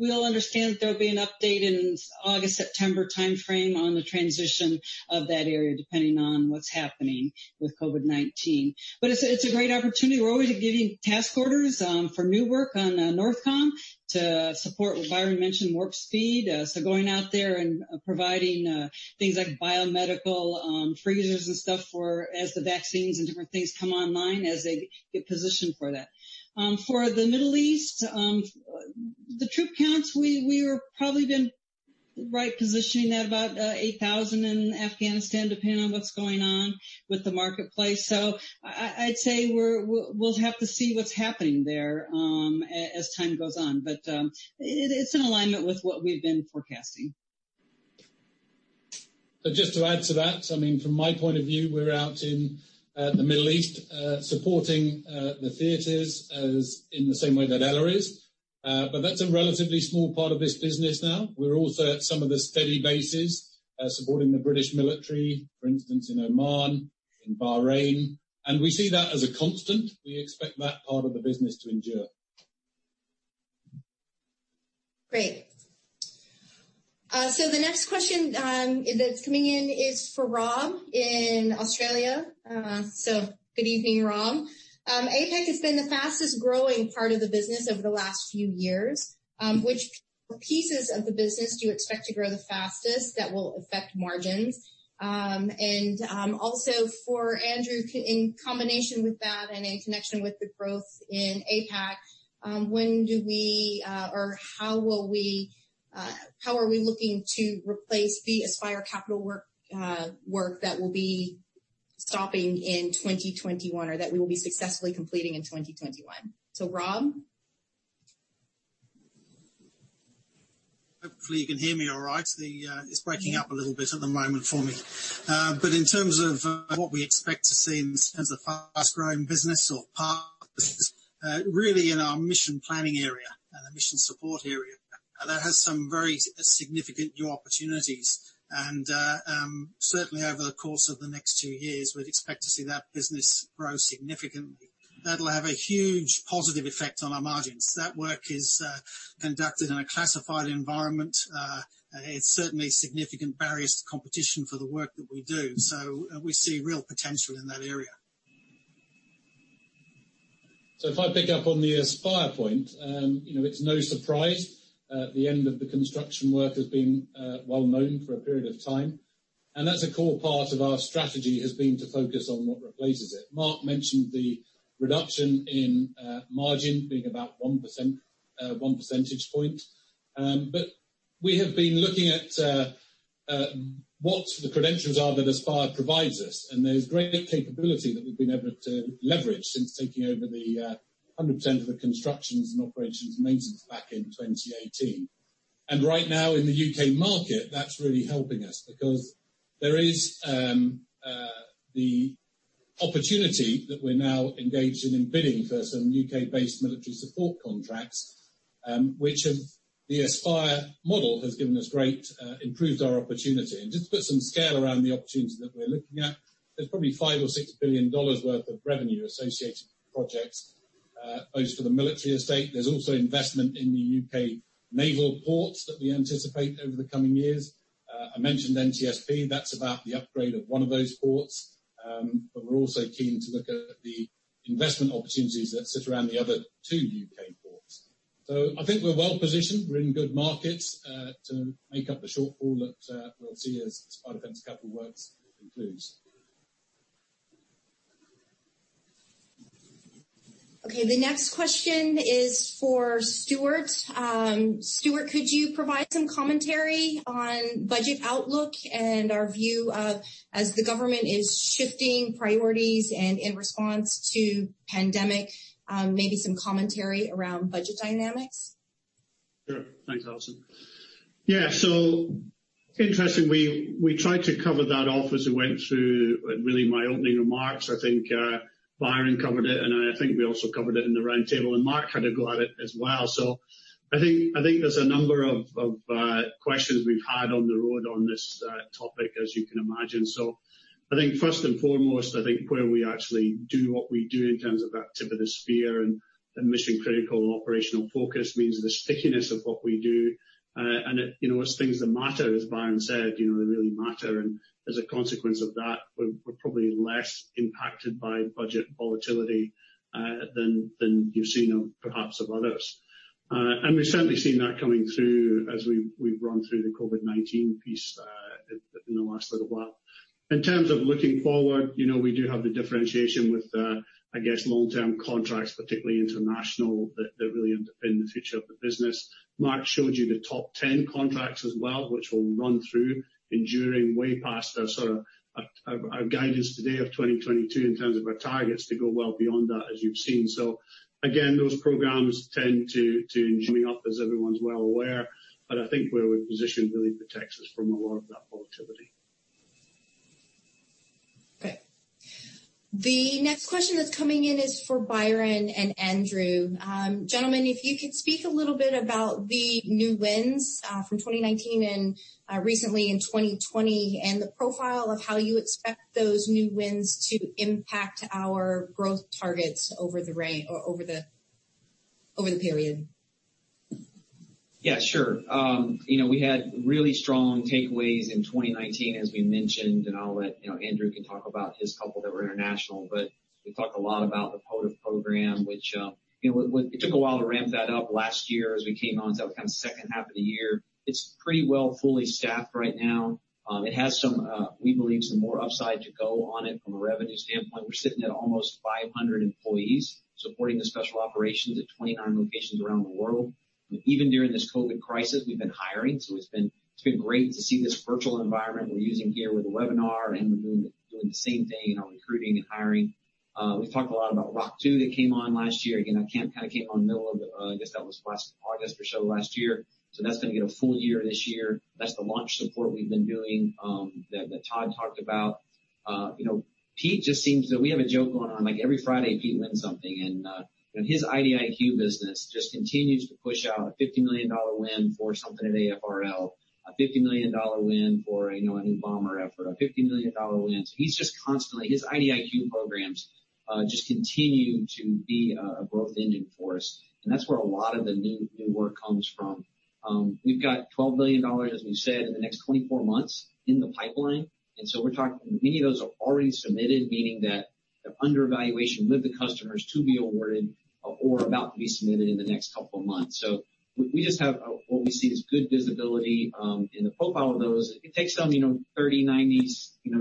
We all understand that there'll be an update in August, September timeframe on the transition of that area, depending on what's happening with COVID-19. It's a great opportunity. We're always giving task orders for new work on NORTHCOM to support what Byron mentioned, Warp Speed. Going out there and providing things like biomedical freezers and stuff as the vaccines and different things come online, as they get positioned for that. For the Middle East, the troop counts, we were probably been right positioning at about 8,000 in Afghanistan, depending on what's going on with the marketplace. I'd say we'll have to see what's happening there, as time goes on. It's in alignment with what we've been forecasting. Just to add to that, from my point of view, we're out in the Middle East, supporting the theaters in the same way that Ella is. That's a relatively small part of this business now. We're also at some of the steady bases, supporting the British military, for instance, in Oman, in Bahrain. We see that as a constant. We expect that part of the business to endure. Great. The next question that's coming in is for Rob in Australia. Good evening, Rob. APAC has been the fastest growing part of the business over the last few years. Which pieces of the business do you expect to grow the fastest that will affect margins? Also for Andrew, in combination with that and in connection with the growth in APAC, how are we looking to replace the Aspire Capital Works that will be stopping in 2021 or that we will be successfully completing in 2021? Rob? Hopefully you can hear me all right. It's breaking up a little bit at the moment for me. In terms of what we expect to see as a fast-growing business or part of the business, really in our mission planning area and the mission support area. That has some very significant new opportunities. Certainly over the course of the next two years, we'd expect to see that business grow significantly. That'll have a huge positive effect on our margins. That work is conducted in a classified environment. It's certainly significant barriers to competition for the work that we do. We see real potential in that area. If I pick up on the Aspire point, it is no surprise the end of the construction work has been well known for a period of time, and that is a core part of our strategy, has been to focus on what replaces it. Mark mentioned the reduction in margin being about one percentage point. But we have been looking at what the credentials are that Aspire provides us, and there is great capability that we have been able to leverage since taking over the 100% of the constructions and operations maintenance back in 2018. And right now in the U.K. market, that is really helping us because there is the opportunity that we are now engaged in bidding for some U.K.-based military support contracts, which the Aspire model has given us great— improved our opportunity. Just to put some scale around the opportunities that we are looking at, there is probably $5 billion or $6 billion worth of revenue associated with projects, both for the military estate. There is also investment in the U.K. naval ports that we anticipate over the coming years. I mentioned NTSP, that is about the upgrade of one of those ports. But we are also keen to look at the investment opportunities that sit around the other two U.K. ports. I think we are well positioned. We are in good markets, to make up the shortfall that we will see as Aspire Defence Capital Works concludes. Okay, the next question is for Stuart. Stuart, could you provide some commentary on budget outlook and our view of as the government is shifting priorities and in response to pandemic, maybe some commentary around budget dynamics? Sure. Thanks, Alison. Yeah. Interesting, we tried to cover that off as we went through, really my opening remarks. I think Byron covered it, and I think we also covered it in the roundtable, and Mark had a go at it as well. I think there is a number of questions we have had on the road on this topic, as you can imagine. I think first and foremost, I think where we actually do what we do in terms of that tip of the spear and mission critical and operational focus means the stickiness of what we do. And it is things that matter, as Byron said, they really matter. And as a consequence of that, we are probably less impacted by budget volatility, than you have seen perhaps of others. And we have certainly seen that coming through as we have run through the COVID-19 piece in the last little while. In terms of looking forward, we do have the differentiation with, I guess, long-term contracts, particularly international, that really underpin the future of the business. Mark showed you the top 10 contracts as well, which we'll run through, enduring way past our sort of our guidance today of 2022 in terms of our targets to go well beyond that, as you've seen. Again, those programs tend to jumping up, as everyone's well aware, but I think where we're positioned really protects us from a lot of that volatility. Okay. The next question that's coming in is for Byron and Andrew. Gentlemen, if you could speak a little bit about the new wins, from 2019 and recently in 2020, and the profile of how you expect those new wins to impact our growth targets over the period. Yeah, sure. We had really strong takeaways in 2019, as we mentioned, and I'll let Andrew can talk about his couple that were international. We talked a lot about the POTFF program, which it took a while to ramp that up last year as we came on. That was kind of second half of the year. It's pretty well fully staffed right now. It has some, we believe, some more upside to go on it from a revenue standpoint. We're sitting at almost 500 employees supporting the special operations at 29 locations around the world. Even during this COVID crisis, we've been hiring. It's been great to see this virtual environment we're using here with the webinar, and we're doing the same thing in our recruiting and hiring. We've talked a lot about ROCK II that came on last year. Again, that kind of came on middle of the, I guess that was last August for sure of last year. That's going to get a full year this year. That's the launch support we've been doing that Todd talked about. Pete just seems that we have a joke going on, like every Friday, Pete wins something. His IDIQ business just continues to push out a $50 million win for something at AFRL, a $50 million win for a new bomber effort, a $50 million win. He's just constantly, his IDIQ programs just continue to be a growth engine for us, and that's where a lot of the new work comes from. We've got $12 billion, as we said, in the next 24 months in the pipeline, and many of those are already submitted, meaning that they're under evaluation with the customers to be awarded or about to be submitted in the next couple of months. We just have what we see as good visibility in the profile of those. It takes them 30, 90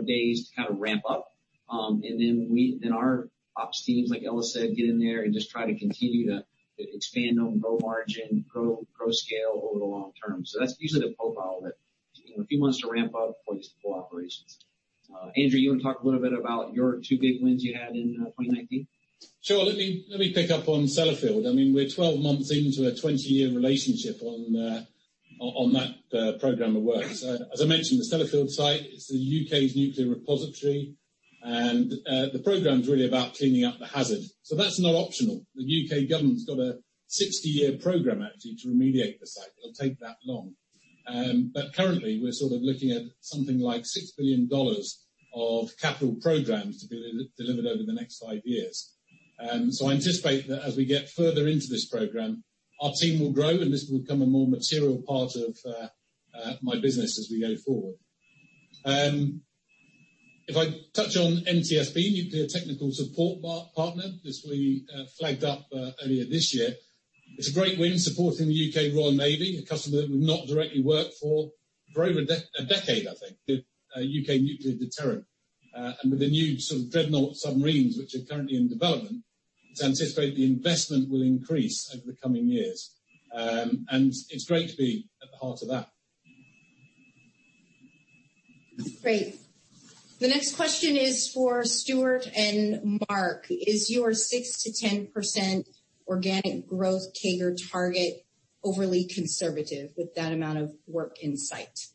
days to kind of ramp up. Then our ops teams, like Ella said, get in there and just try to continue to expand them, grow margin, grow scale over the long term. That's usually the profile of it. A few months to ramp up before you support operations. Andrew, you want to talk a little bit about your two big wins you had in 2019? Sure. Let me pick up on Sellafield. I mean, we're 12 months into a 20-year relationship on that program of work. As I mentioned, the Sellafield site, it's the U.K.'s nuclear repository. The program is really about cleaning up the hazard. That's not optional. The U.K. government's got a 60-year program actually to remediate the site. It'll take that long. Currently, we're sort of looking at something like $6 billion of capital programs to be delivered over the next five years. I anticipate that as we get further into this program, our team will grow, and this will become a more material part of my business as we go forward. If I touch on NTSP, Nuclear Technical Support Provider, this we flagged up earlier this year. It's a great win supporting the U.K. Royal Navy, a customer that we've not directly worked for over a decade, I think, the U.K. nuclear deterrent. With the new sort of Dreadnought submarines which are currently in development, to anticipate the investment will increase over the coming years. It's great to be at the heart of that. Great. The next question is for Stuart and Mark. Is your 6%-10% organic growth CAGR target overly conservative with that amount of work in sight?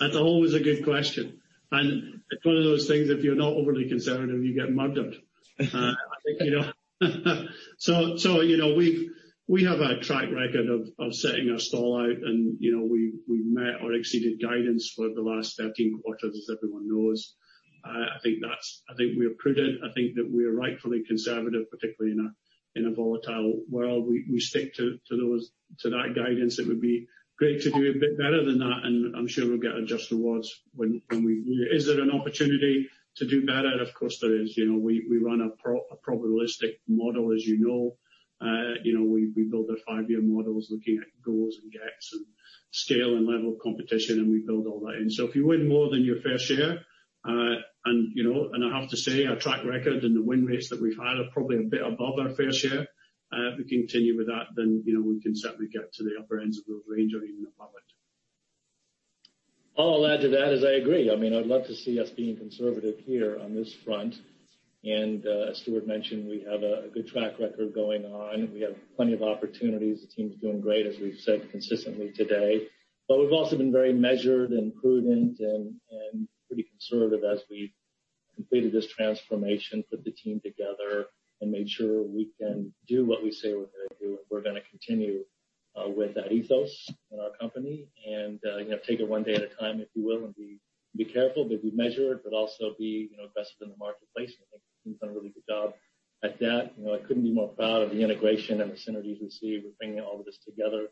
That's always a good question. It's one of those things, if you're not overly conservative, you get murdered. We have a track record of setting our stall out, and we met or exceeded guidance for the last 13 quarters, as everyone knows. I think we are prudent. I think that we are rightfully conservative, particularly in a volatile world. We stick to that guidance. It would be great to do a bit better than that, and I'm sure we'll get our just rewards when we Is there an opportunity to do better? Of course, there is. We run a probabilistic model, as you know. We build our five-year models looking at goes and gets and scale and level of competition, we build all that in. If you win more than your fair share, I have to say, our track record and the win rates that we've had are probably a bit above our fair share. If we continue with that, then we can certainly get to the upper ends of those range or even above it. I'll add to that as I agree. I mean, I'd love to see us being conservative here on this front. As Stuart mentioned, we have a good track record going on. We have plenty of opportunities. The team's doing great, as we've said consistently today. We've also been very measured and prudent and pretty conservative as we've completed this transformation, put the team together, and made sure we can do what we say we're going to do, and we're going to continue with that ethos in our company and take it one day at a time, if you will, and be careful, but be measured, but also be invested in the marketplace. I think the team's done a really good job at that. I couldn't be more proud of the integration and the synergies we see with bringing all of this together.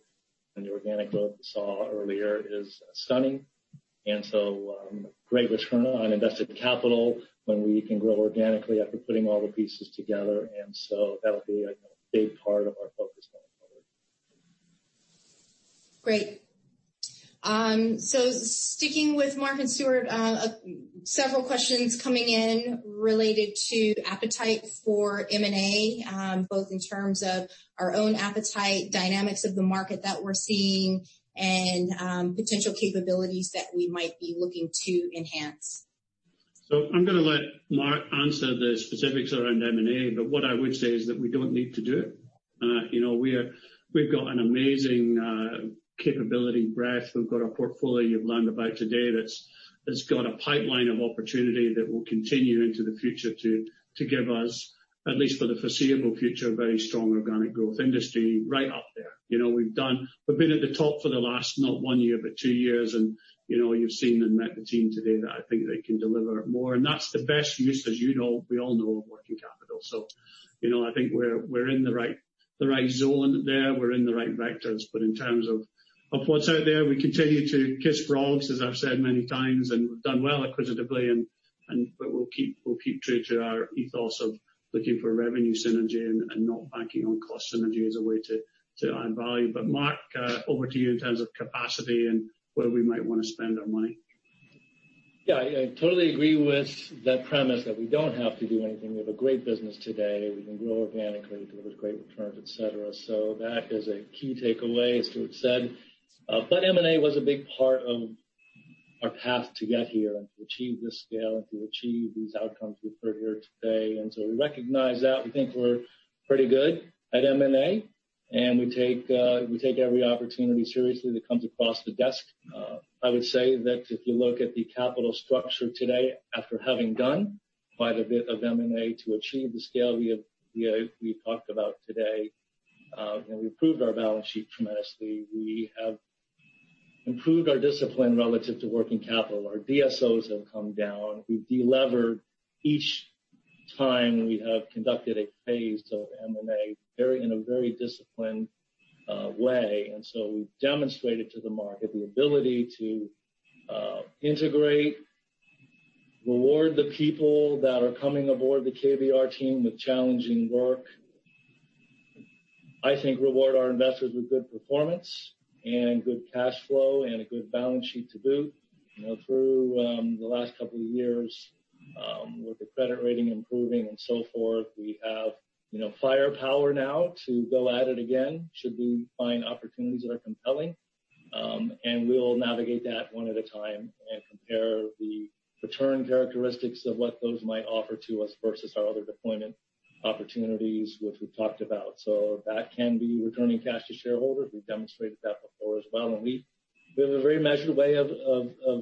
The organic growth we saw earlier is stunning. Great return on invested capital when we can grow organically after putting all the pieces together, and so that'll be a big part of our focus going forward. Great. Sticking with Mark and Stuart, several questions coming in related to appetite for M&A, both in terms of our own appetite, dynamics of the market that we're seeing, and potential capabilities that we might be looking to enhance. I'm going to let Mark answer the specifics around M&A, but what I would say is that we don't need to do it. We've got an amazing capability breadth. We've got a portfolio you've learned about today that's got a pipeline of opportunity that will continue into the future to give us, at least for the foreseeable future, very strong organic growth industry right up there. We've been at the top for the last, not one year, but two years, and you've seen and met the team today that I think they can deliver more. That's the best use, as you know, we all know, of working capital. I think we're in the right zone there. We're in the right vectors. In terms of what's out there, we continue to kiss frogs, as I've said many times, and we've done well acquisitively, but we'll keep true to our ethos of looking for revenue synergy and not banking on cost synergy as a way to add value. Mark, over to you in terms of capacity and where we might want to spend our money. I totally agree with that premise that we don't have to do anything. We have a great business today. We can grow organically, deliver great returns, et cetera. That is a key takeaway, as Stuart said. M&A was a big part of our path to get here and to achieve this scale and to achieve these outcomes we've heard here today. We recognize that. We think we're pretty good at M&A, and we take every opportunity seriously that comes across the desk. I would say that if you look at the capital structure today, after having done quite a bit of M&A to achieve the scale we talked about today, we've improved our balance sheet tremendously. We have improved our discipline relative to working capital. Our DSOs have come down. We've de-levered each time we have conducted a phase of M&A in a very disciplined way. We've demonstrated to the market the ability to integrate, reward the people that are coming aboard the KBR team with challenging work. I think reward our investors with good performance and good cash flow and a good balance sheet to boot. Through the last couple of years, with the credit rating improving and so forth, we have firepower now to go at it again, should we find opportunities that are compelling. We'll navigate that one at a time and compare the return characteristics of what those might offer to us versus our other deployment opportunities, which we've talked about. That can be returning cash to shareholders. We've demonstrated that before as well. We have a very measured way of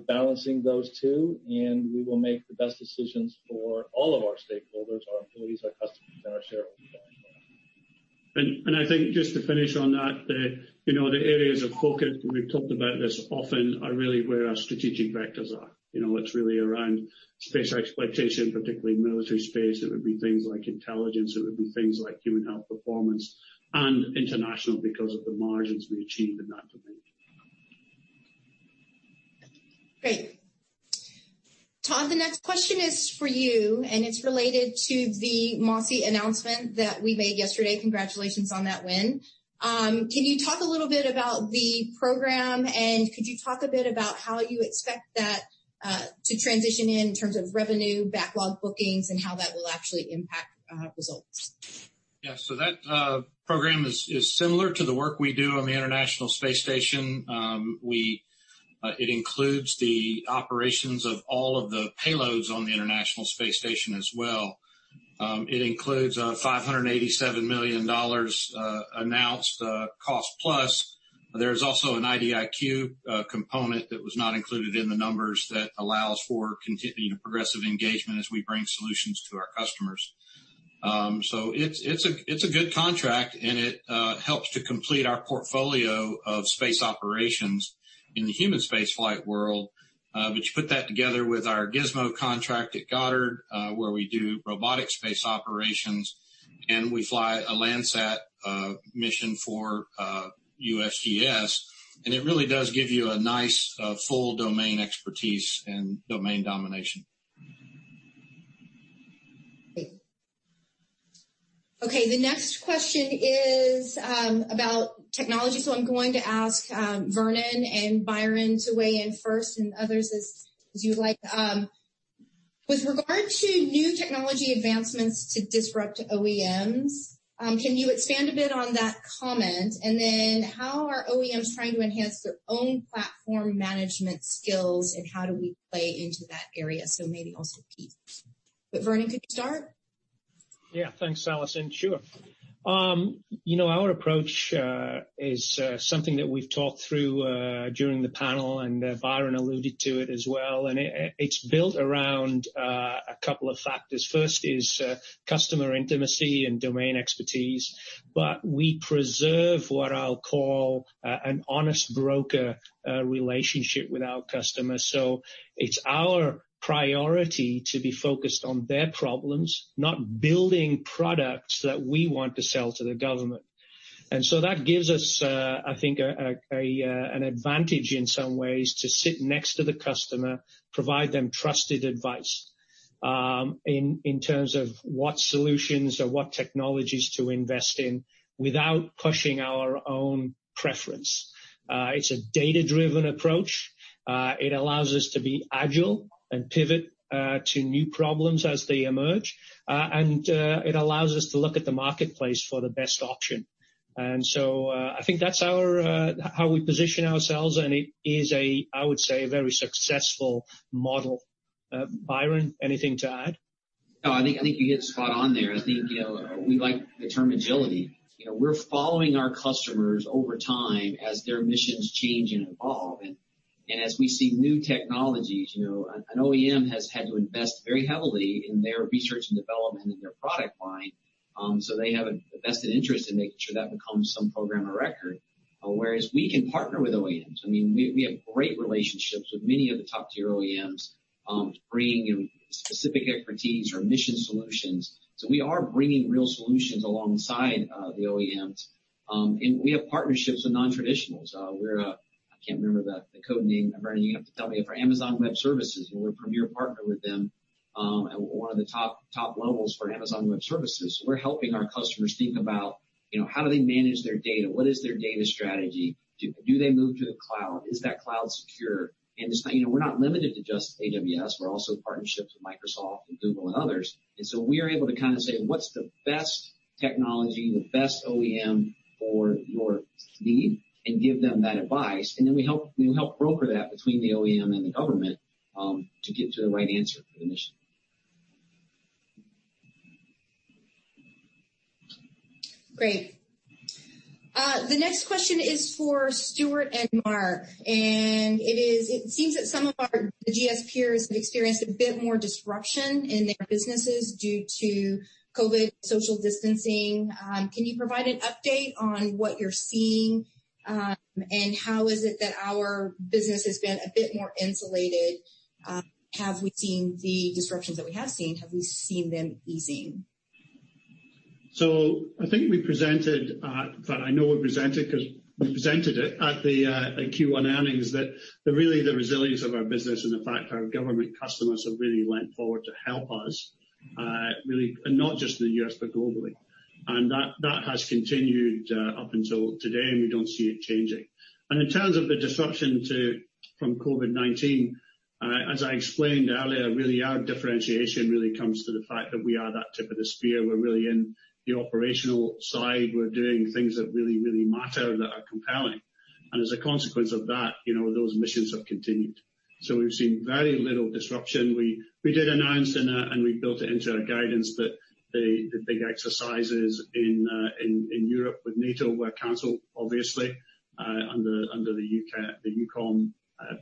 balancing those two, and we will make the best decisions for all of our stakeholders, our employees, our customers, and our shareholders going forward. I think just to finish on that, the areas of focus, and we've talked about this often, are really where our strategic vectors are. It's really around space exploitation, particularly military space. It would be things like intelligence, it would be things like human health performance and international because of the margins we achieve in that domain. Great. Todd, the next question is for you, and it's related to the MOSSI announcement that we made yesterday. Congratulations on that win. Can you talk a little bit about the program, and could you talk a bit about how you expect that to transition in terms of revenue, backlog bookings, and how that will actually impact results? Yeah. That program is similar to the work we do on the International Space Station. It includes the operations of all of the payloads on the International Space Station as well. It includes a $587 million announced cost plus. There's also an IDIQ component that was not included in the numbers that allows for continuing progressive engagement as we bring solutions to our customers. It's a good contract, and it helps to complete our portfolio of space operations in the human space flight world. You put that together with our GSMO-3 contract at Goddard, where we do robotic space operations, and we fly a Landsat mission for USGS, it really does give you a nice full domain expertise and domain domination. Great. Okay, the next question is about technology, I'm going to ask Vernon and Byron to weigh in first and others as you like. With regard to new technology advancements to disrupt OEMs, can you expand a bit on that comment? How are OEMs trying to enhance their own platform management skills, and how do we play into that area? Maybe also Pete. Vernon, could you start? Yeah. Thanks, Alison. Sure. Our approach is something that we've talked through during the panel, and Byron alluded to it as well, and it's built around a couple of factors. First is customer intimacy and domain expertise, we preserve what I'll call an honest broker relationship with our customers. It's our priority to be focused on their problems, not building products that we want to sell to the government. That gives us, I think, an advantage in some ways to sit next to the customer, provide them trusted advice. In terms of what solutions or what technologies to invest in without pushing our own preference. It's a data-driven approach. It allows us to be agile and pivot to new problems as they emerge. It allows us to look at the marketplace for the best option. I think that's how we position ourselves, and it is, I would say, a very successful model. Byron, anything to add? No, I think you hit the spot on there. I think we like the term agility. We're following our customers over time as their missions change and evolve. As we see new technologies, an OEM has had to invest very heavily in their research and development in their product line, so they have a vested interest in making sure that becomes some program of record. Whereas we can partner with OEMs. We have great relationships with many of the top-tier OEMs to bring in specific expertise or mission solutions. We are bringing real solutions alongside the OEMs. We have partnerships with non-traditionals. We're a, I can't remember the code name. Vernon, you have to tell me, for Amazon Web Services, and we're a premier partner with them, and one of the top levels for Amazon Web Services. We're helping our customers think about how do they manage their data? What is their data strategy? Do they move to the cloud? Is that cloud secure? We're not limited to just AWS, we're also in partnerships with Microsoft and Google and others. We are able to say, what's the best technology, the best OEM for your need, and give them that advice. We help broker that between the OEM and the government to get to the right answer for the mission. Great. The next question is for Stuart and Mark, and it is, it seems that some of our GS peers have experienced a bit more disruption in their businesses due to COVID, social distancing. Can you provide an update on what you're seeing, how is it that our business has been a bit more insulated? Have we seen the disruptions that we have seen? Have we seen them easing? I think we presented at, in fact, I know we presented because we presented it at the Q1 earnings, that really the resilience of our business and the fact our government customers have really leaned forward to help us, really, and not just in the U.S., but globally. That has continued up until today, and we don't see it changing. In terms of the disruption from COVID-19, as I explained earlier, really our differentiation really comes to the fact that we are that tip of the spear. We're really in the operational side. We're doing things that really, really matter and that are compelling. As a consequence of that, those missions have continued. We've seen very little disruption. We did announce and we built it into our guidance that the big exercises in Europe with NATO were canceled, obviously, under the EUCOM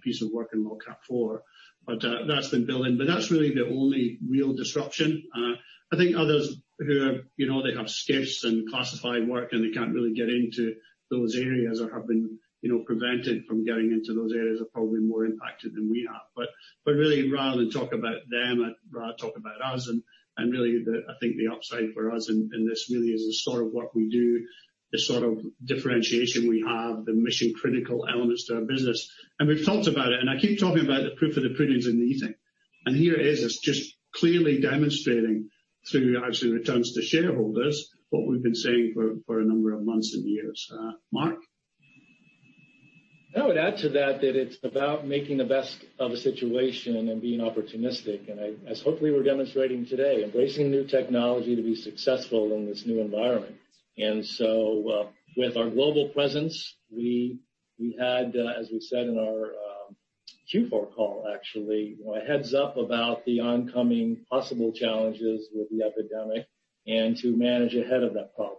piece of work in LOGCAP 4. That's been built in. That's really the only real disruption. I think others who have SCIFs and classified work, and they can't really get into those areas or have been prevented from getting into those areas are probably more impacted than we are. Really, rather than talk about them, I'd rather talk about us, and really, I think the upside for us in this really is the sort of work we do, the sort of differentiation we have, the mission-critical elements to our business. We've talked about it, and I keep talking about the proof of the pudding is in the eating. Here it is, it's just clearly demonstrating through actually returns to shareholders, what we've been saying for a number of months and years. Mark? I would add to that it's about making the best of a situation and being opportunistic. As hopefully we're demonstrating today, embracing new technology to be successful in this new environment. With our global presence, we had, as we said in our Q4 call, actually, a heads-up about the oncoming possible challenges with the epidemic and to manage ahead of that problem.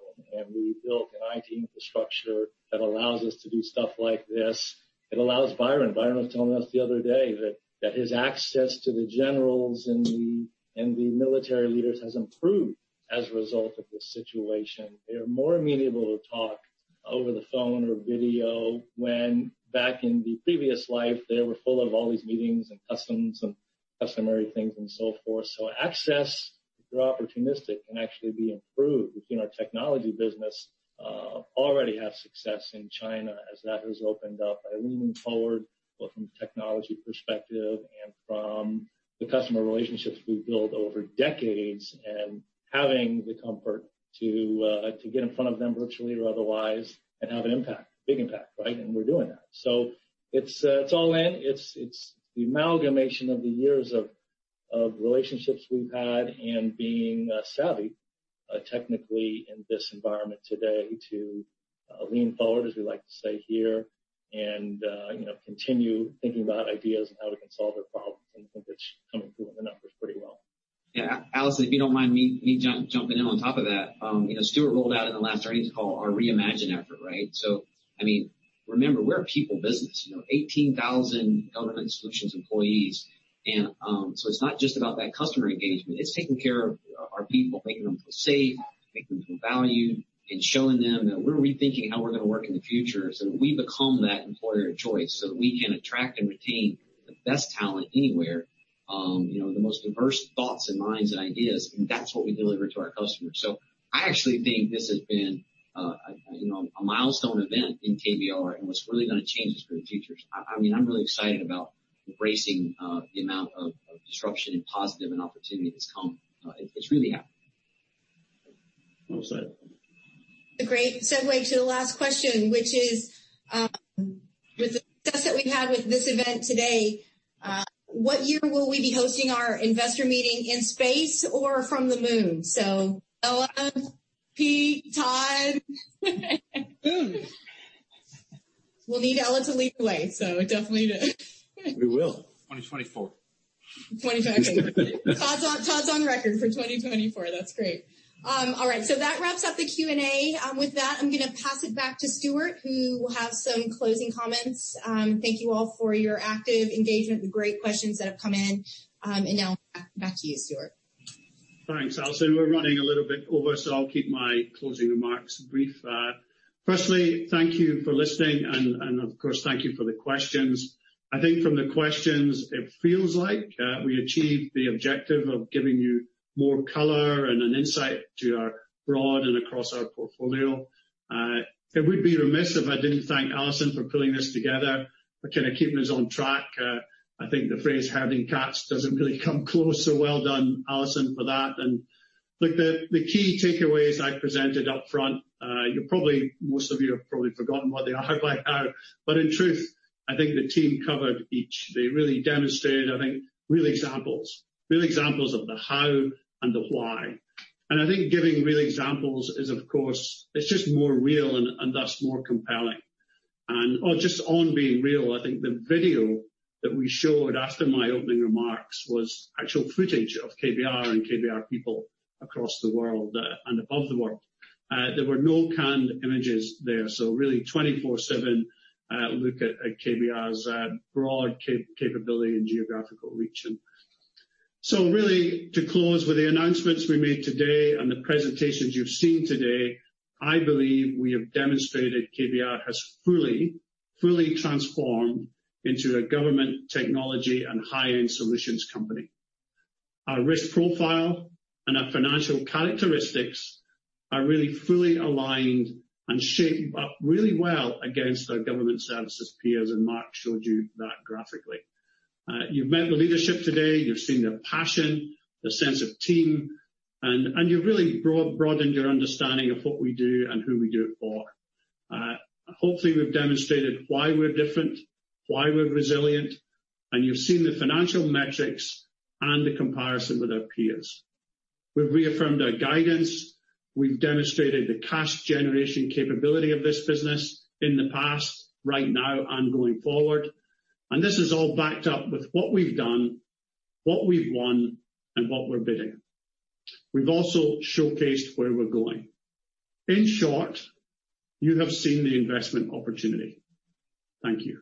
We built an IT infrastructure that allows us to do stuff like this. It allows Byron. Byron was telling us the other day that his access to the generals and the military leaders has improved as a result of this situation. They are more amenable to talk over the phone or video when back in the previous life, they were full of all these meetings and customs and customary things and so forth. Access, if you're opportunistic, can actually be improved. We already have success in China as that has opened up by leaning forward, both from a technology perspective and from the customer relationships we've built over decades and having the comfort to get in front of them, virtually or otherwise, and have an impact, big impact, right? We're doing that. It's all in. It's the amalgamation of the years of relationships we've had and being savvy, technically in this environment today to lean forward, as we like to say here, and continue thinking about ideas and how we can solve their problems. I think it's coming through in the numbers pretty well. Yeah. Alison, if you don't mind me jumping in on top of that. Stuart Bradie rolled out in the last earnings call our reimagine effort, right? Remember, we're a people business, 18,000 Government Solutions employees. It's not just about that customer engagement, it's taking care of our people, making them feel safe, making them feel valued, and showing them that we're rethinking how we're going to work in the future so that we become that employer of choice, so that we can attract and retain the best talent anywhere, the most diverse thoughts and minds and ideas, and that's what we deliver to our customers. I actually think this has been A milestone event in KBR and what's really going to change us for the future. I'm really excited about embracing the amount of disruption and positive and opportunity that's come. It's really happening. Well said. A great segue to the last question, which is, with the success that we've had with this event today, what year will we be hosting our investor meeting in space or from the moon? Ella, Pete, Todd. We'll need Ella to lead the way, definitely. We will. 2024. 2024. Todd's on record for 2024. That's great. All right, that wraps up the Q&A. With that, I'm going to pass it back to Stuart, who will have some closing comments. Thank you all for your active engagement and the great questions that have come in. Now back to you, Stuart. Thanks, Alison. We're running a little bit over, I'll keep my closing remarks brief. Firstly, thank you for listening and, of course, thank you for the questions. I think from the questions, it feels like we achieved the objective of giving you more color and an insight to our broad and across our portfolio. It would be remiss if I didn't thank Alison for pulling this together and keeping us on track. I think the phrase herding cats doesn't really come close, well done, Alison, for that. I think the key takeaways I presented up front, most of you have probably forgotten what they are by now. In truth, I think the team covered each. They really demonstrated, I think, real examples of the how and the why. I think giving real examples is, of course, it's just more real and thus more compelling. Just on being real, I think the video that we showed after my opening remarks was actual footage of KBR and KBR people across the world and above the world. There were no canned images there. Really 24/7 look at KBR's broad capability and geographical reach. Really, to close, with the announcements we made today and the presentations you've seen today, I believe we have demonstrated KBR has fully transformed into a government technology and high-end solutions company. Our risk profile and our financial characteristics are really fully aligned and shape up really well against our government services peers, and Mark showed you that graphically. You've met the leadership today. You've seen their passion, their sense of team, and you've really broadened your understanding of what we do and who we do it for. Hopefully, we've demonstrated why we're different, why we're resilient, and you've seen the financial metrics and the comparison with our peers. We've reaffirmed our guidance. We've demonstrated the cash generation capability of this business in the past, right now, and going forward. This is all backed up with what we've done, what we've won, and what we're bidding. We've also showcased where we're going. In short, you have seen the investment opportunity. Thank you